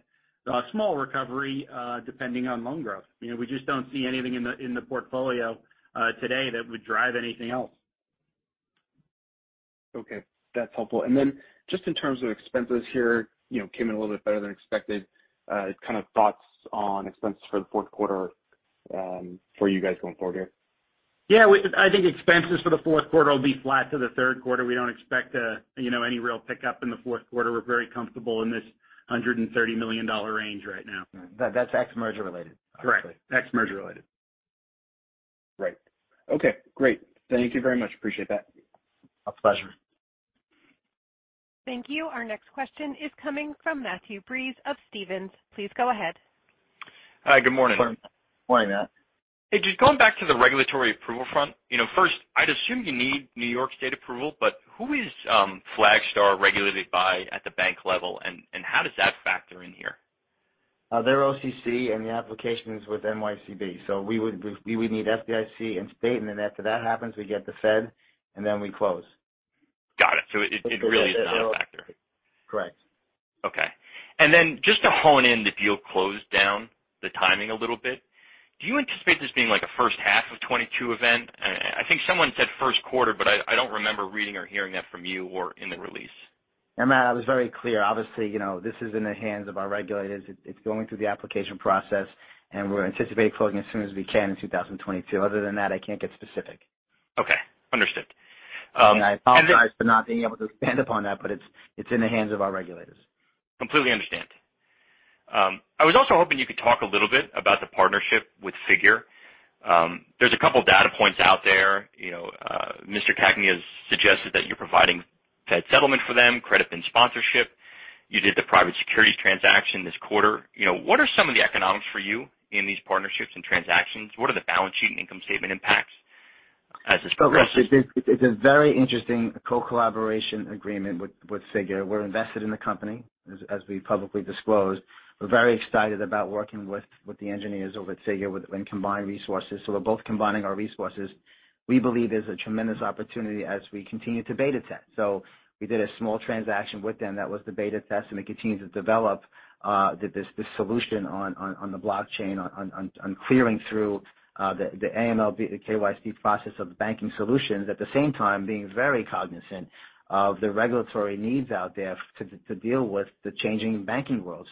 small recovery, depending on loan growth. You know, we just don't see anything in the portfolio today that would drive anything else. Okay. That's helpful. Just in terms of expenses here, you know, came in a little bit better than expected. Kind of thoughts on expenses for the fourth quarter, for you guys going forward here? Yeah, I think expenses for the fourth quarter will be flat to the third quarter. We don't expect, you know, any real pickup in the fourth quarter. We're very comfortable in this $130 million range right now. That's ex-merger related. Correct. Ex-merger related. Right. Okay, great. Thank you very much. Appreciate that. A pleasure. Thank you. Our next question is coming from Matthew Breese of Stephens. Please go ahead. Hi. Good morning. Morning, Matt. Hey, just going back to the regulatory approval front. You know, first, I'd assume you need New York State approval, but who is Flagstar regulated by at the bank level, and how does that factor in here? They're OCC and the application is with NYCB. We would need FDIC and state, and then after that happens, we get the Fed, and then we close. Got it. It really is not a factor? Correct. Okay. Just to home in on the deal closing down the timing a little bit. Do you anticipate this being like a first half of 2022 event? I think someone said first quarter, but I don't remember reading or hearing that from you or in the release. Matt, I was very clear. Obviously, you know, this is in the hands of our regulators. It's going through the application process, and we're anticipating closing as soon as we can in 2022. Other than that, I can't get specific. Okay. Understood. I apologize for not being able to stand upon that, but it's in the hands of our regulators. Completely understand. I was also hoping you could talk a little bit about the partnership with Figure. There's a couple of data points out there. You know, Mr. Cagney has suggested that you're providing Fed settlement for them, credit BIN sponsorship. You did the private securities transaction this quarter. You know, what are some of the economics for you in these partnerships and transactions? What are the balance sheet and income statement impacts as this progresses? It's a very interesting collaboration agreement with Figure. We're invested in the company, as we publicly disclosed. We're very excited about working with the engineers over at Figure and combining resources. We're both combining our resources. We believe there's a tremendous opportunity as we continue to beta test. We did a small transaction with them. That was the beta test, and we continue to develop this solution on the blockchain on clearing through the AML, the KYC process of the banking solutions. At the same time, being very cognizant of the regulatory needs out there to deal with the changing banking world.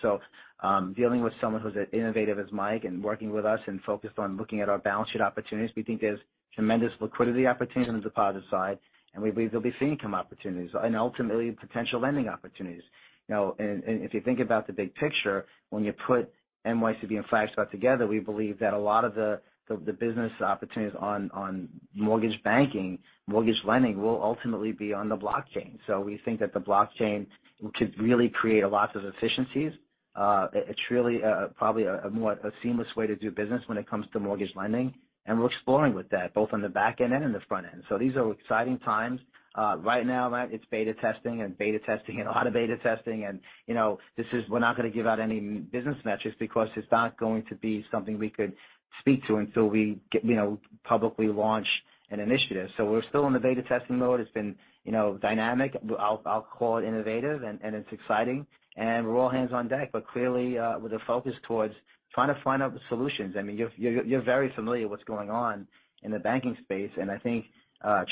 Dealing with someone who's as innovative as Mike and working with us and focused on looking at our balance sheet opportunities, we think there's tremendous liquidity opportunity on the deposit side, and we believe there'll be fee income opportunities and ultimately potential lending opportunities. You know, and if you think about the big picture, when you put NYCB and Flagstar together, we believe that a lot of the business opportunities on mortgage banking, mortgage lending will ultimately be on the blockchain. We think that the blockchain could really create lots of efficiencies. It's really probably a more seamless way to do business when it comes to mortgage lending. We're exploring with that, both on the back end and in the front end. These are exciting times. Right now, Matt, it's beta testing and a lot of beta testing. You know, this is we're not gonna give out any business metrics because it's not going to be something we could speak to until we get, you know, publicly launch an initiative. We're still in the beta testing mode. It's been, you know, dynamic. I'll call it innovative and it's exciting. We're all hands on deck, but clearly, with a focus towards trying to find out the solutions. I mean, you're very familiar what's going on in the banking space. I think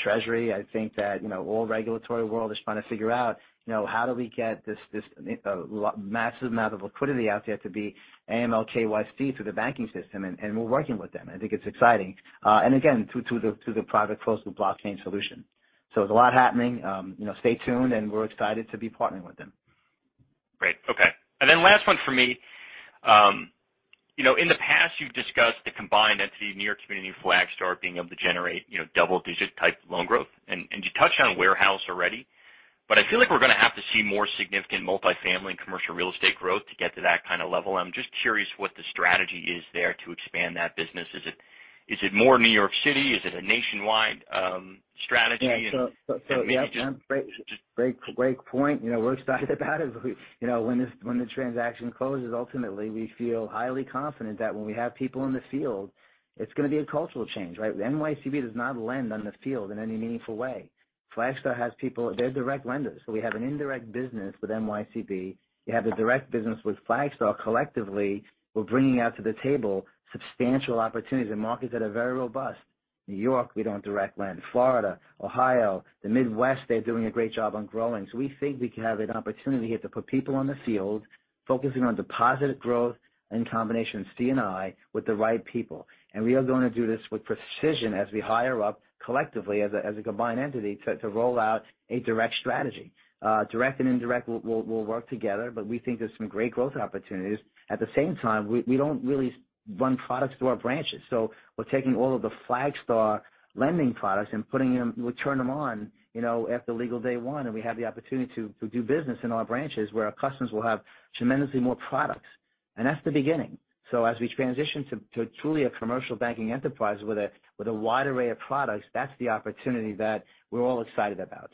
Treasury, I think that you know, all regulatory world is trying to figure out you know, how do we get this massive amount of liquidity out there to be AML/KYC through the banking system, and we're working with them. I think it's exciting. Again, to the private close to blockchain solution. There's a lot happening. You know, stay tuned, and we're excited to be partnering with them. Great. Okay. Last one for me. You know, in the past, you've discussed the combined entity New York Community and Flagstar being able to generate, you know, double-digit type loan growth. You touched on warehouse already, but I feel like we're gonna have to see more significant multifamily and commercial real estate growth to get to that kind of level. I'm just curious what the strategy is there to expand that business. Is it more New York City? Is it a nationwide strategy? Maybe just- Yeah. Yeah, Matt, great point. You know, we're excited about it. You know, when the transaction closes, ultimately, we feel highly confident that when we have people in the field, it's gonna be a cultural change, right? NYCB does not lend on the field in any meaningful way. Flagstar has people, they're direct lenders. We have an indirect business with NYCB. You have a direct business with Flagstar. Collectively, we're bringing to the table substantial opportunities in markets that are very robust. New York, we don't direct lend. Florida, Ohio, the Midwest, they're doing a great job on growing. We think we can have an opportunity here to put people on the field focusing on deposit growth in combination with C&I with the right people. We are gonna do this with precision as we hire up collectively as a combined entity to roll out a direct strategy. Direct and indirect will work together, but we think there's some great growth opportunities. At the same time, we don't really run products through our branches. We're taking all of the Flagstar lending products and putting them. We turn them on, you know, after legal day one, and we have the opportunity to do business in our branches where our customers will have tremendously more products. That's the beginning. As we transition to truly a commercial banking enterprise with a wide array of products, that's the opportunity that we're all excited about.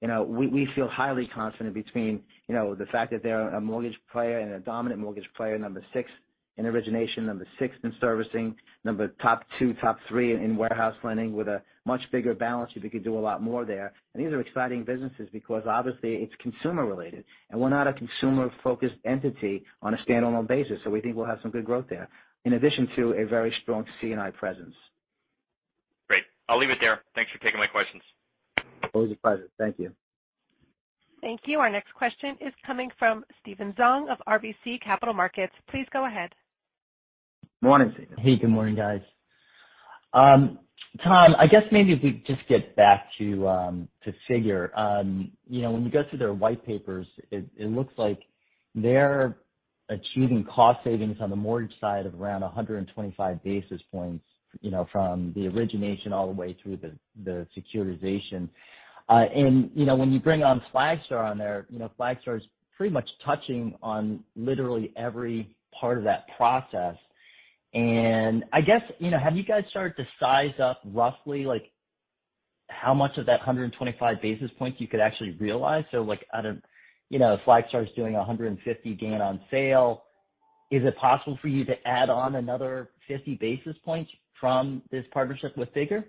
You know, we feel highly confident between, you know, the fact that they're a mortgage player and a dominant mortgage player, number six in origination, number six in servicing, number top two, top three in warehouse lending with a much bigger balance. We could do a lot more there. These are exciting businesses because obviously it's consumer related, and we're not a consumer-focused entity on a stand-alone basis. We think we'll have some good growth there, in addition to a very strong C&I presence. Great. I'll leave it there. Thanks for taking my questions. Always a pleasure. Thank you. Thank you. Our next question is coming from Steven Duong of RBC Capital Markets. Please go ahead. Morning, Steven. Hey, good morning, guys. Tom, I guess maybe if we just get back to Figure. You know, when you go through their white papers, it looks like they're achieving cost savings on the mortgage side of around 125 basis points, you know, from the origination all the way through the securitization. You know, when you bring on Flagstar on there, you know, Flagstar is pretty much touching on literally every part of that process. I guess, you know, have you guys started to size up roughly like how much of that 125 basis points you could actually realize? Like out of, you know, if Flagstar is doing a 150 gain on sale, is it possible for you to add on another 50 basis points from this partnership with Figure?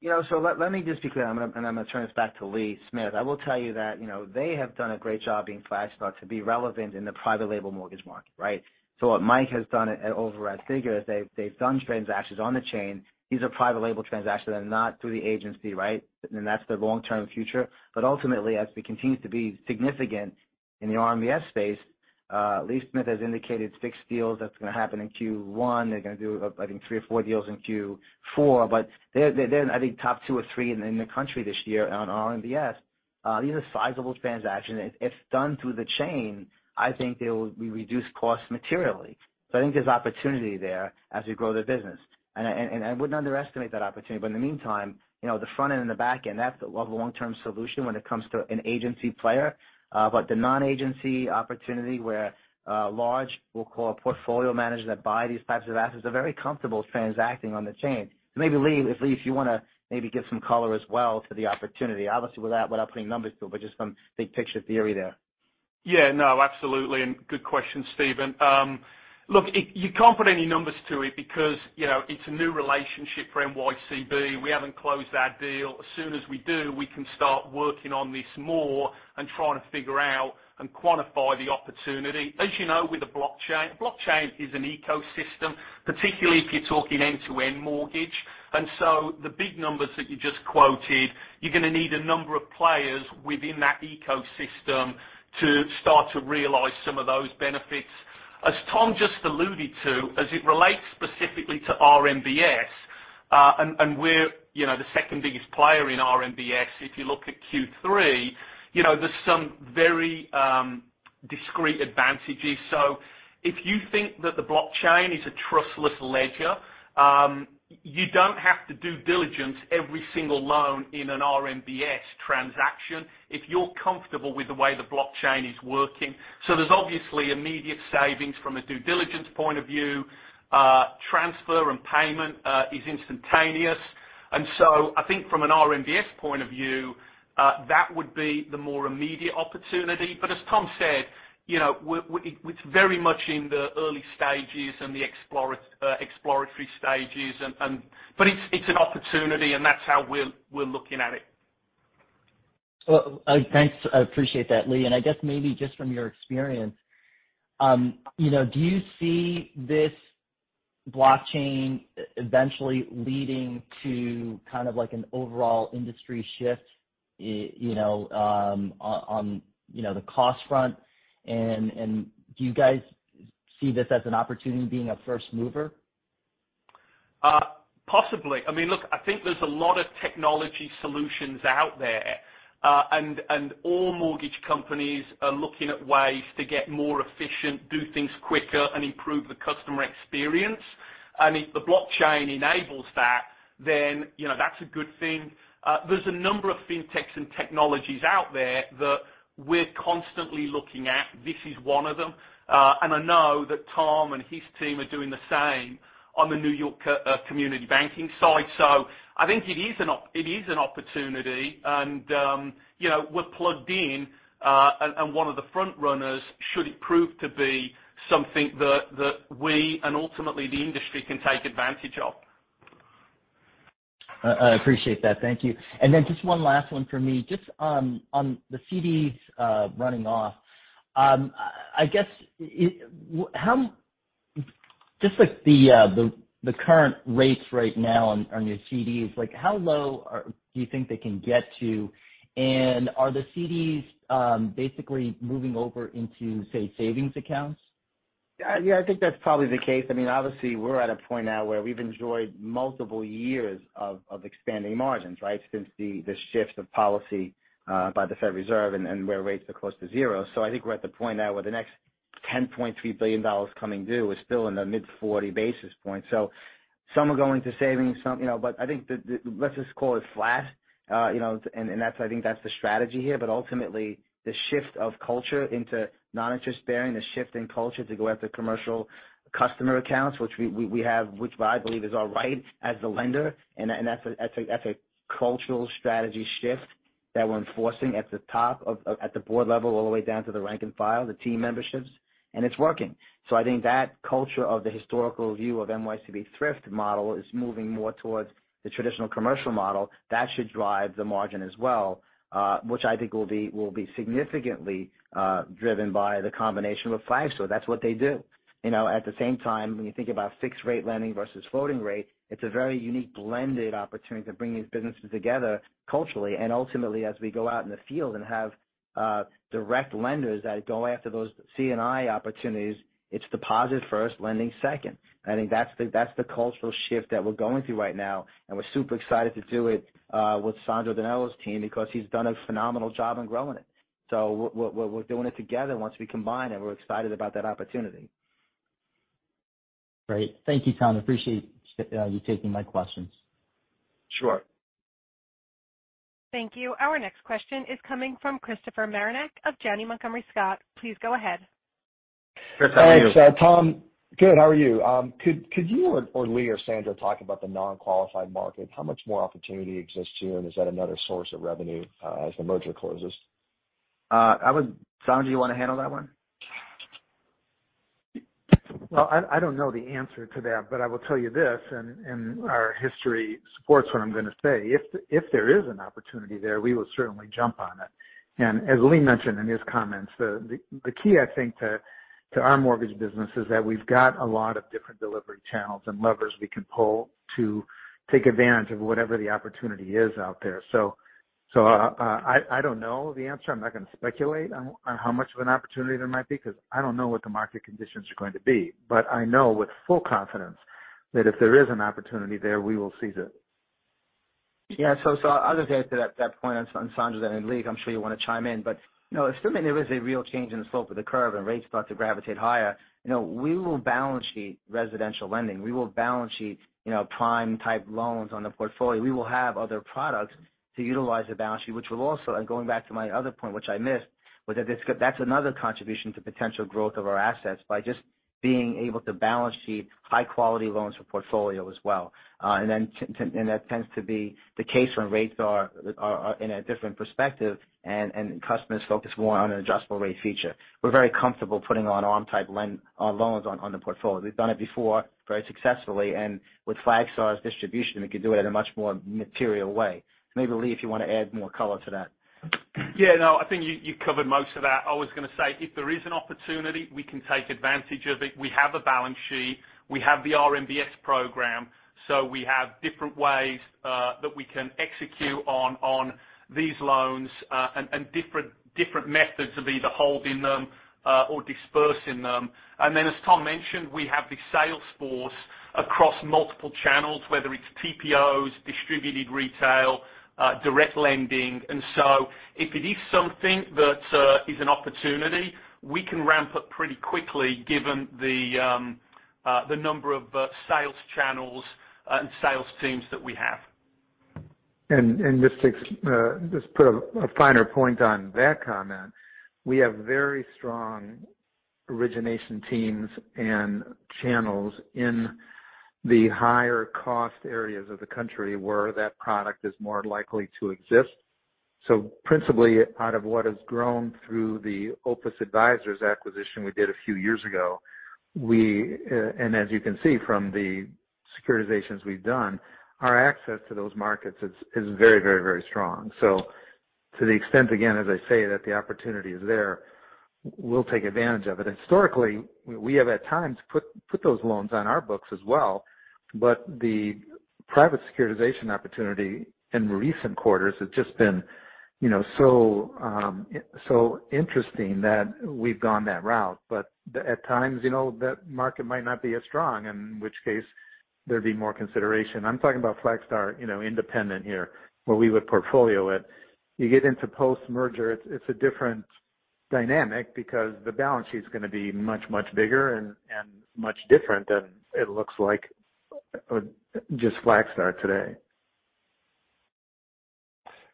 You know, let me just be clear, and I'm gonna turn this back to Lee Smith. I will tell you that, you know, they have done a great job being Flagstar to be relevant in the private label mortgage market, right? What Matt has done over at Figure is they've done transactions on the chain. These are private label transactions. They're not through the agency, right? That's their long-term future. Ultimately, as we continue to be significant in the RMBS space, Lee Smith has indicated fixed deals that's gonna happen in Q1. They're gonna do, I think three or four deals in Q4. They're, I think, top two or three in the country this year on RMBS. These are sizable transactions. If done through the chain, I think they will reduce costs materially. I think there's opportunity there as we grow the business. I would not underestimate that opportunity. In the meantime, the front end and the back end, that's a long-term solution when it comes to an agency player. The non-agency opportunity where large, we'll call it portfolio managers that buy these types of assets are very comfortable transacting on the chain. Maybe Lee, if you wanna maybe give some color as well to the opportunity, obviously without putting numbers to, but just some big picture theory there. Yeah, no, absolutely. Good question, Steven. Look, you can't put any numbers to it because, you know, it's a new relationship for NYCB. We haven't closed that deal. As soon as we do, we can start working on this more and trying to figure out and quantify the opportunity. As you know, with the blockchain is an ecosystem, particularly if you're talking end-to-end mortgage. The big numbers that you just quoted, you're gonna need a number of players within that ecosystem to start to realize some of those benefits. As Tom just alluded to, as it relates specifically to RMBS, and we're, you know, the second biggest player in RMBS. If you look at Q3, you know, there's some very discrete advantages. If you think that the blockchain is a trustless ledger, you don't have to do due diligence every single loan in an RMBS transaction if you're comfortable with the way the blockchain is working. There's obviously immediate savings from a due diligence point of view. Transfer and payment is instantaneous. I think from an RMBS point of view, that would be the more immediate opportunity. As Tom said, you know, it's very much in the early stages and the exploratory stages. It's an opportunity, and that's how we're looking at it. Well, thanks. I appreciate that, Lee. I guess maybe just from your experience, you know, do you see this blockchain eventually leading to kind of like an overall industry shift, you know, on the cost front? Do you guys see this as an opportunity being a first mover? Possibly. I mean, look, I think there's a lot of technology solutions out there. All mortgage companies are looking at ways to get more efficient, do things quicker and improve the customer experience. If the blockchain enables that, then, you know, that's a good thing. There's a number of fintechs and technologies out there that we're constantly looking at. This is one of them. I know that Tom and his team are doing the same on the New York Community Banking side. I think it is an opportunity. You know, we're plugged in, and one of the front runners should it prove to be something that we and ultimately the industry can take advantage of. I appreciate that. Thank you. Just one last one for me. Just on the CDs running off. I guess just like the current rates right now on your CDs, like how low do you think they can get to? Are the CDs basically moving over into, say, savings accounts? Yeah. Yeah, I think that's probably the case. I mean, obviously we're at a point now where we've enjoyed multiple years of expanding margins, right? Since the shift of policy by the Fed Reserve and where rates are close to zero. I think we're at the point now where the next $10.3 billion coming due is still in the mid-40 basis points. Some are going to savings, some, you know, but I think the—let's just call it flat, you know, and that's, I think that's the strategy here. But ultimately, the shift of culture into noninterest-bearing, the shift in culture to go after commercial customer accounts, which we have, which I believe is our right as the lender. That's a cultural strategy shift that we're enforcing at the board level all the way down to the rank and file, the team memberships, and it's working. I think that culture of the historical view of NYCB thrift model is moving more towards the traditional commercial model. That should drive the margin as well, which I think will be significantly driven by the combination with Flagstar. That's what they do. You know, at the same time, when you think about fixed rate lending versus floating rate, it's a very unique blended opportunity to bring these businesses together culturally. Ultimately, as we go out in the field and have direct lenders that go after those C&I opportunities, it's deposit first, lending second. I think that's the cultural shift that we're going through right now. We're super excited to do it with Sandro DiNello's team because he's done a phenomenal job in growing it. We're doing it together once we combine, and we're excited about that opportunity. Great. Thank you, Tom. Appreciate you taking my questions. Sure. Thank you. Our next question is coming from Christopher Marinac of Janney Montgomery Scott. Please go ahead. Chris, how are you? Thanks, Tom. Good, how are you? Could you or Lee or Sandro talk about the non-qualified market? How much more opportunity exists here, and is that another source of revenue as the merger closes? Alessandro, do you wanna handle that one? Well, I don't know the answer to that, but I will tell you this, and our history supports what I'm gonna say. If there is an opportunity there, we will certainly jump on it. As Lee mentioned in his comments, the key, I think, to our mortgage business is that we've got a lot of different delivery channels and levers we can pull to take advantage of whatever the opportunity is out there. I don't know the answer. I'm not gonna speculate on how much of an opportunity there might be because I don't know what the market conditions are going to be. I know with full confidence that if there is an opportunity there, we will seize it. Yeah. I'll just add to that point on Sandro then Lee. I'm sure you wanna chime in. You know, assuming there is a real change in the slope of the curve and rates start to gravitate higher, you know, we will balance sheet residential lending. We will balance sheet, you know, prime type loans on the portfolio. We will have other products to utilize the balance sheet, which will also. Going back to my other point, which I missed, was that that's another contribution to potential growth of our assets by just being able to balance sheet high quality loans for portfolio as well. That tends to be the case when rates are in a different perspective and customers focus more on an adjustable rate feature. We're very comfortable putting on ARM-type lend, loans on the portfolio. We've done it before very successfully. With Flagstar's distribution, we could do it in a much more material way. Maybe, Lee, if you wanna add more color to that? Yeah, no, I think you covered most of that. I was gonna say, if there is an opportunity, we can take advantage of it. We have a balance sheet, we have the RMBS program, so we have different ways that we can execute on these loans, and different methods of either holding them or dispersing them. As Tom mentioned, we have the sales force across multiple channels, whether it's TPOs, distributed retail, direct lending. If it is something that is an opportunity, we can ramp up pretty quickly given the number of sales channels and sales teams that we have. Just put a finer point on that comment. We have very strong origination teams and channels in the higher cost areas of the country where that product is more likely to exist. Principally out of what has grown through the Opes Advisors acquisition we did a few years ago, we and as you can see from the securitizations we've done, our access to those markets is very strong. To the extent, again, as I say, that the opportunity is there, we'll take advantage of it. Historically, we have at times put those loans on our books as well, but the private securitization opportunity in recent quarters has just been, you know, so interesting that we've gone that route. At times, you know, that market might not be as strong, in which case there'd be more consideration. I'm talking about Flagstar, you know, independent here, where we would portfolio it. You get into post-merger, it's a different dynamic because the balance sheet is gonna be much bigger and much different than it looks like, just Flagstar today.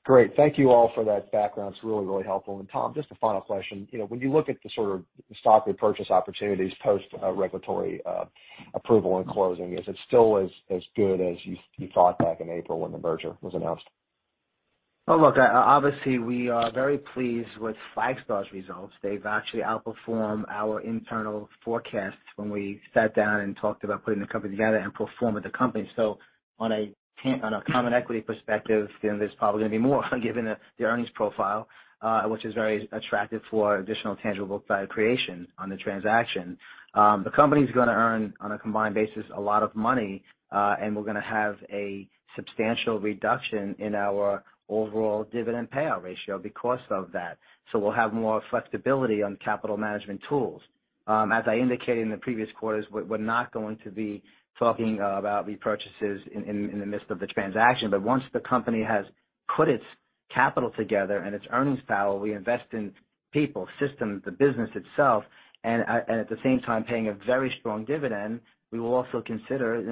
Great. Thank you all for that background. It's really, really helpful. Tom, just a final question. You know, when you look at the sort of stock repurchase opportunities post regulatory approval and closing, is it still as good as you thought back in April when the merger was announced? Well, look, obviously we are very pleased with Flagstar's results. They've actually outperformed our internal forecasts when we sat down and talked about putting the company together and performing the company. On a common equity perspective, then there's probably gonna be more given the earnings profile, which is very attractive for additional tangible book value creation on the transaction. The company's gonna earn, on a combined basis, a lot of money, and we're gonna have a substantial reduction in our overall dividend payout ratio because of that. We'll have more flexibility on capital management tools. As I indicated in the previous quarters, we're not going to be talking about repurchases in the midst of the transaction. Once the company has put its capital together and its earnings power, we invest in people, systems, the business itself, and at the same time paying a very strong dividend. We will also consider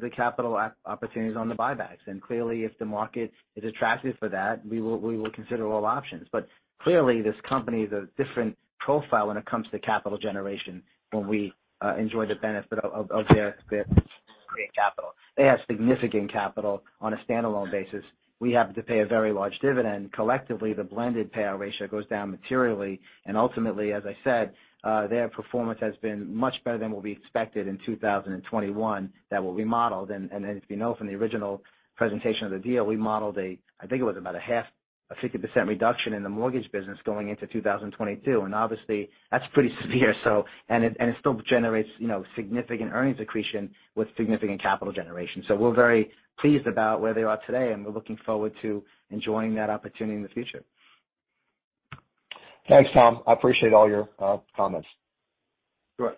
the capital opportunities on the buybacks. Clearly if the market is attractive for that, we will consider all options. Clearly this company is a different profile when it comes to capital generation when we enjoy the benefit of their capital. They have significant capital on a standalone basis. We happen to pay a very large dividend. Collectively, the blended payout ratio goes down materially. Ultimately, as I said, their performance has been much better than what we expected in 2021 that will be modeled. As we know from the original presentation of the deal, we modeled, I think it was about half, a 50% reduction in the mortgage business going into 2022. Obviously that's pretty severe, and it still generates, you know, significant earnings accretion with significant capital generation. We're very pleased about where they are today, and we're looking forward to enjoying that opportunity in the future. Thanks, Tom. I appreciate all your comments. Sure.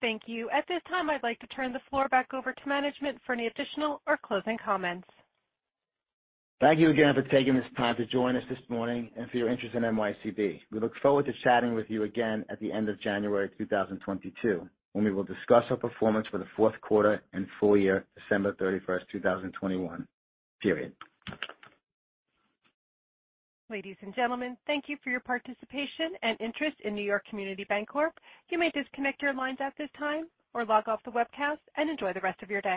Thank you. At this time, I'd like to turn the floor back over to management for any additional or closing comments. Thank you again for taking this time to join us this morning and for your interest in NYCB. We look forward to chatting with you again at the end of January 2022, when we will discuss our performance for the fourth quarter and full year December 31st, 2021 period. Ladies and gentlemen, thank you for your participation and interest in New York Community Bancorp. You may disconnect your lines at this time or log off the webcast and enjoy the rest of your day.